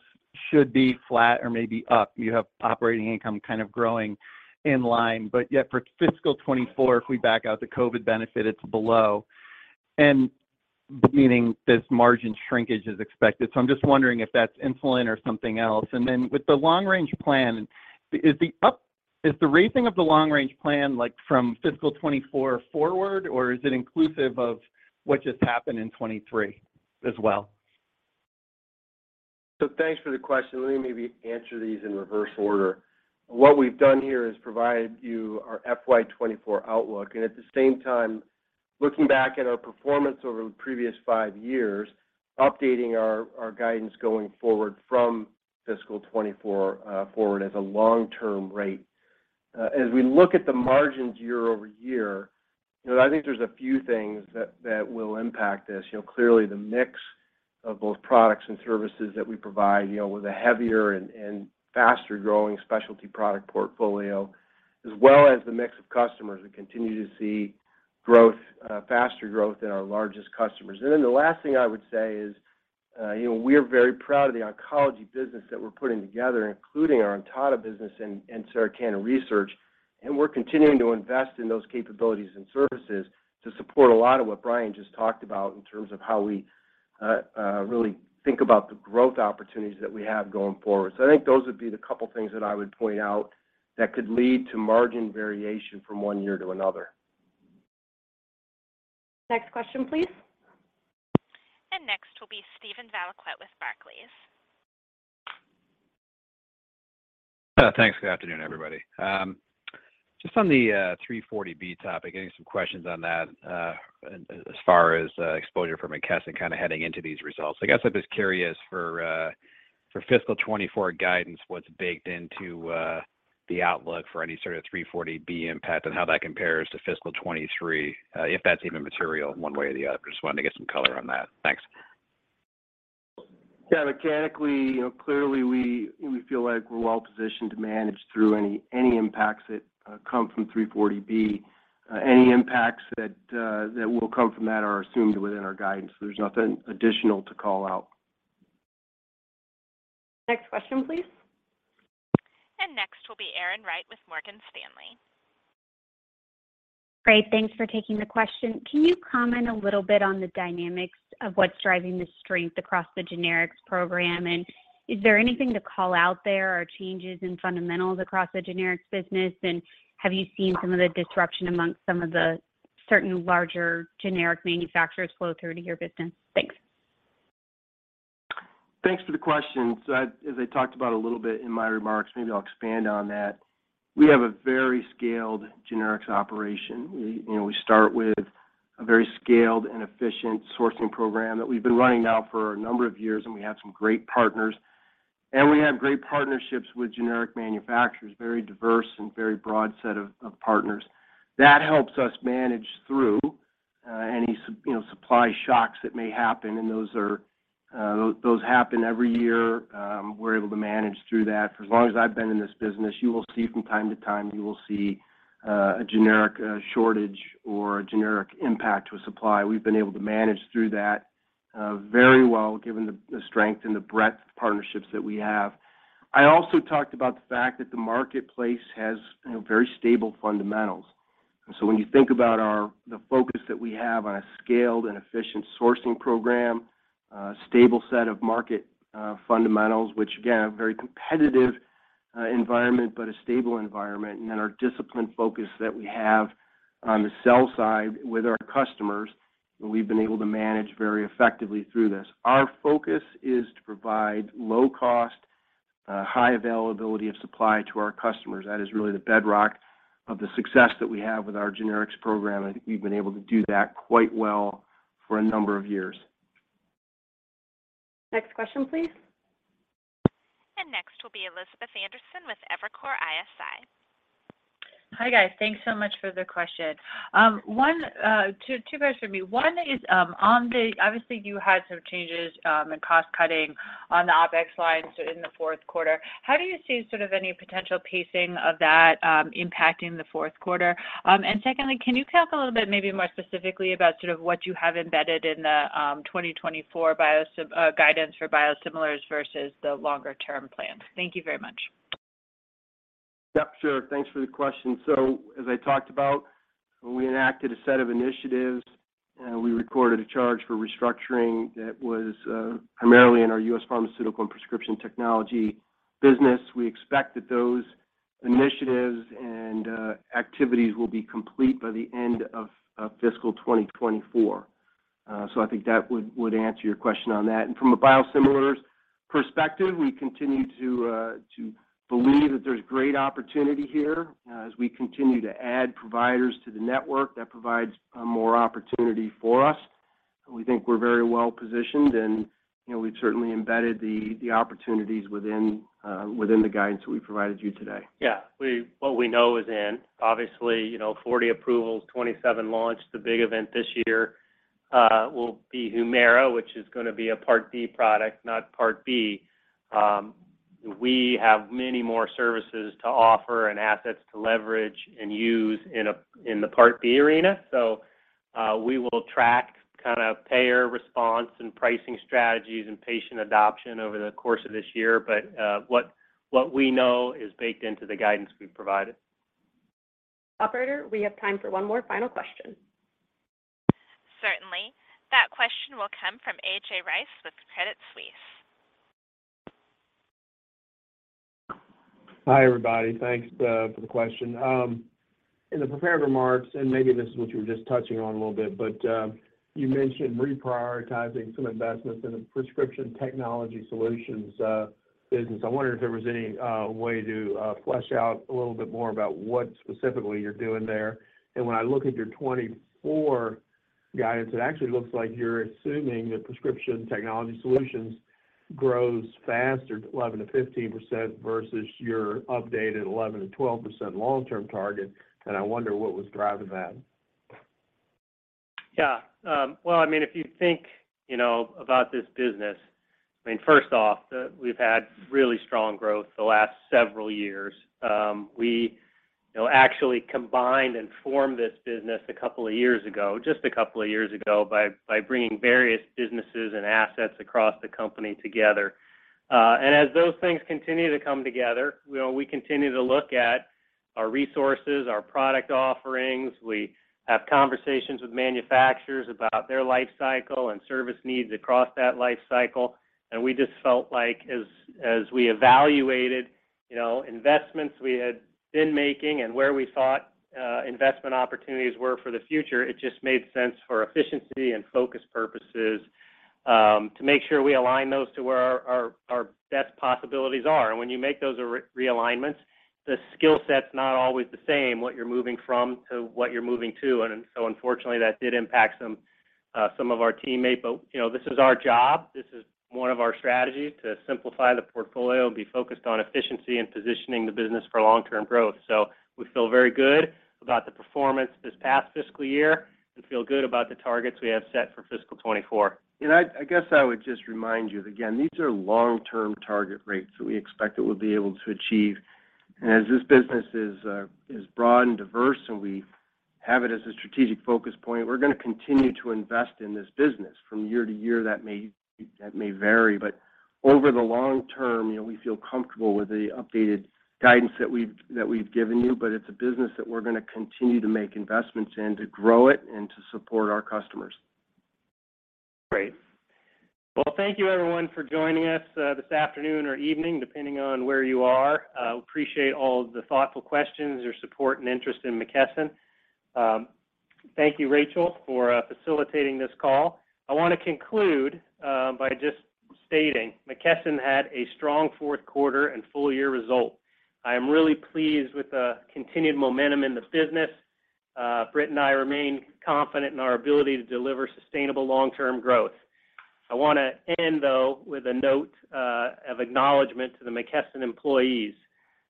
should be flat or maybe up. You have operating income kind of growing in line. Yet for fiscal 2024, if we back out the COVID benefit, it's below. Meaning this margin shrinkage is expected. I'm just wondering if that's insulin or something else. Then with the long-range plan, is the raising of the long-range plan, like, from fiscal 2024 forward, or is it inclusive of what just happened in 2023 as well? Thanks for the question. Let me maybe answer these in reverse order. What we've done here is provide you our FY 2024 outlook, at the same time, looking back at our performance over the previous 5 years, updating our guidance going forward from fiscal 2024 forward as a long-term rate. As we look at the margins year-over-year, you know, I think there's a few things that will impact this. You know, clearly the mix of both products and services that we provide, you know, with a heavier and faster-growing specialty product portfolio, as well as the mix of customers. We continue to see growth, faster growth in our largest customers. The last thing I would say is, you know, we're very proud of the oncology business that we're putting together, including our Ontada business and Sarah Cannon Research, and we're continuing to invest in those capabilities and services to support a lot of what Brian just talked about in terms of how we really think about the growth opportunities that we have going forward. I think those would be the couple things that I would point out that could lead to margin variation from one year to another. Next question, please. Next will be Steven Valiquette with Barclays. Thanks. Good afternoon, everybody. Just on the 340B topic, getting some questions on that, as far as exposure for McKesson kind of heading into these results. I guess I'm just curious for fiscal 2024 guidance, what's baked into the outlook for any sort of 340B impact and how that compares to fiscal 2023, if that's even material one way or the other. Just wanted to get some color on that. Thanks. Yeah. Mechanically, you know, clearly, we feel like we're well positioned to manage through any impacts that come from 340B. Any impacts that will come from that are assumed within our guidance. There's nothing additional to call out. Next question, please. Next will be Erin Wright with Morgan Stanley. Great. Thanks for taking the question. Can you comment a little bit on the dynamics of what's driving the strength across the generics program? Is there anything to call out there or changes in fundamentals across the generics business? Have you seen some of the disruption amongst some of the certain larger generic manufacturers flow through to your business? Thanks. Thanks for the question. As I talked about a little bit in my remarks, maybe I'll expand on that. We have a very scaled generics operation. We, you know, we start with a very scaled and efficient sourcing program that we've been running now for a number of years, and we have some great partners, and we have great partnerships with generic manufacturers, very diverse and very broad set of partners. That helps us manage through, you know, supply shocks that may happen, and those are, those happen every year. We're able to manage through that. For as long as I've been in this business, you will see from time to time, you will see a generic shortage or a generic impact to a supply. We've been able to manage through that very well, given the strength and the breadth of partnerships that we have. I also talked about the fact that the marketplace has, you know, very stable fundamentals. When you think about the focus that we have on a scaled and efficient sourcing program, a stable set of market fundamentals, which again, a very competitive environment, but a stable environment, and then our disciplined focus that we have on the sell side with our customers, we've been able to manage very effectively through this. Our focus is to provide low cost, high availability of supply to our customers. That is really the bedrock of the success that we have with our generics program, and I think we've been able to do that quite well for a number of years. Next question, please. Next will be Elizabeth Anderson with Evercore ISI. Hi, guys. Thanks so much for the question. two questions for me. One is, Obviously, you had some changes, and cost cutting on the OpEx lines in the Q4. How do you see sort of any potential pacing of that, impacting the Q4? secondly, can you talk a little bit, maybe more specifically about sort of what you have embedded in the, 2024 guidance for biosimilars versus the longer term plan? Thank you very much. Yep, sure. Thanks for the question. As I talked about, we enacted a set of initiatives, we recorded a charge for restructuring that was primarily in our U.S. Pharmaceutical and Prescription Technology Solutions business. We expect that those initiatives and activities will be complete by the end of fiscal 2024. I think that would answer your question on that. From a biosimilars perspective, we continue to believe that there's great opportunity here. As we continue to add providers to the network, that provides more opportunity for us. We think we're very well-positioned, and, you know, we've certainly embedded the opportunities within the guidance that we provided you today. What we know is in. Obviously, you know, 40 approvals, 27 launched. The big event this year will be HUMIRA, which is gonna be a Part D product, not Part B. We have many more services to offer and assets to leverage and use in the Part B arena. We will track kinda payer response and pricing strategies and patient adoption over the course of this year. What we know is baked into the guidance we've provided. Operator, we have time for one more final question. Certainly. That question will come from A.J. Rice with Credit Suisse. Hi, everybody. Thanks for the question. In the prepared remarks, and maybe this is what you were just touching on a little bit, but you mentioned reprioritizing some investments in the Prescription Technology Solutions business. I wonder if there was any way to flesh out a little bit more about what specifically you're doing there. When I look at your 2024 guidance, it actually looks like you're assuming that Prescription Technology Solutions grows faster, to 11%-15% versus your updated 11%-12% long-term target, and I wonder what was driving that. Yeah. Well, I mean, if you think, you know, about this business, I mean, first off, we've had really strong growth the last several years. We, you know, actually combined and formed this business a couple of years ago, just a couple of years ago, by bringing various businesses and assets across the company together. As those things continue to come together, you know, we continue to look at our resources, our product offerings. We have conversations with manufacturers about their life cycle and service needs across that life cycle. We just felt like as we evaluated, you know, investments we had been making and where we thought investment opportunities were for the future, it just made sense for efficiency and focus purposes to make sure we align those to where our best possibilities are. When you make those re-realignments, the skill set's not always the same, what you're moving from to what you're moving to. Unfortunately, that did impact some of our teammates. You know, this is our job. This is one of our strategies, to simplify the portfolio and be focused on efficiency and positioning the business for long-term growth. We feel very good about the performance this past fiscal year and feel good about the targets we have set for fiscal 2024. I guess I would just remind you that, again, these are long-term target rates that we expect that we'll be able to achieve. As this business is broad and diverse, and we have it as a strategic focus point, we're gonna continue to invest in this business. From year to year, that may vary. Over the long term, you know, we feel comfortable with the updated guidance that we've given you. It's a business that we're gonna continue to make investments in to grow it and to support our customers. Great. Well, thank you everyone for joining us this afternoon or evening, depending on where you are. Appreciate all the thoughtful questions, your support and interest in McKesson. Thank you, Rachel, for facilitating this call. I wanna conclude by just stating McKesson had a strong Q4 and full year result. I am really pleased with the continued momentum in the business. Britt and I remain confident in our ability to deliver sustainable long-term growth. I wanna end, though, with a note of acknowledgement to the McKesson employees.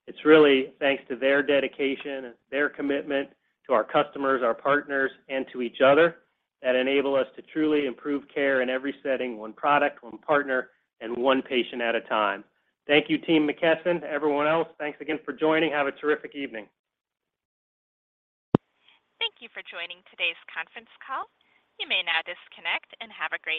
It's really thanks to their dedication and their commitment to our customers, our partners, and to each other that enable us to truly improve care in every setting, one product, one partner, and one patient at a time. Thank you, Team McKesson. To everyone else, thanks again for joining. Have a terrific evening. Thank you for joining today's conference call. You may now disconnect and have a great day.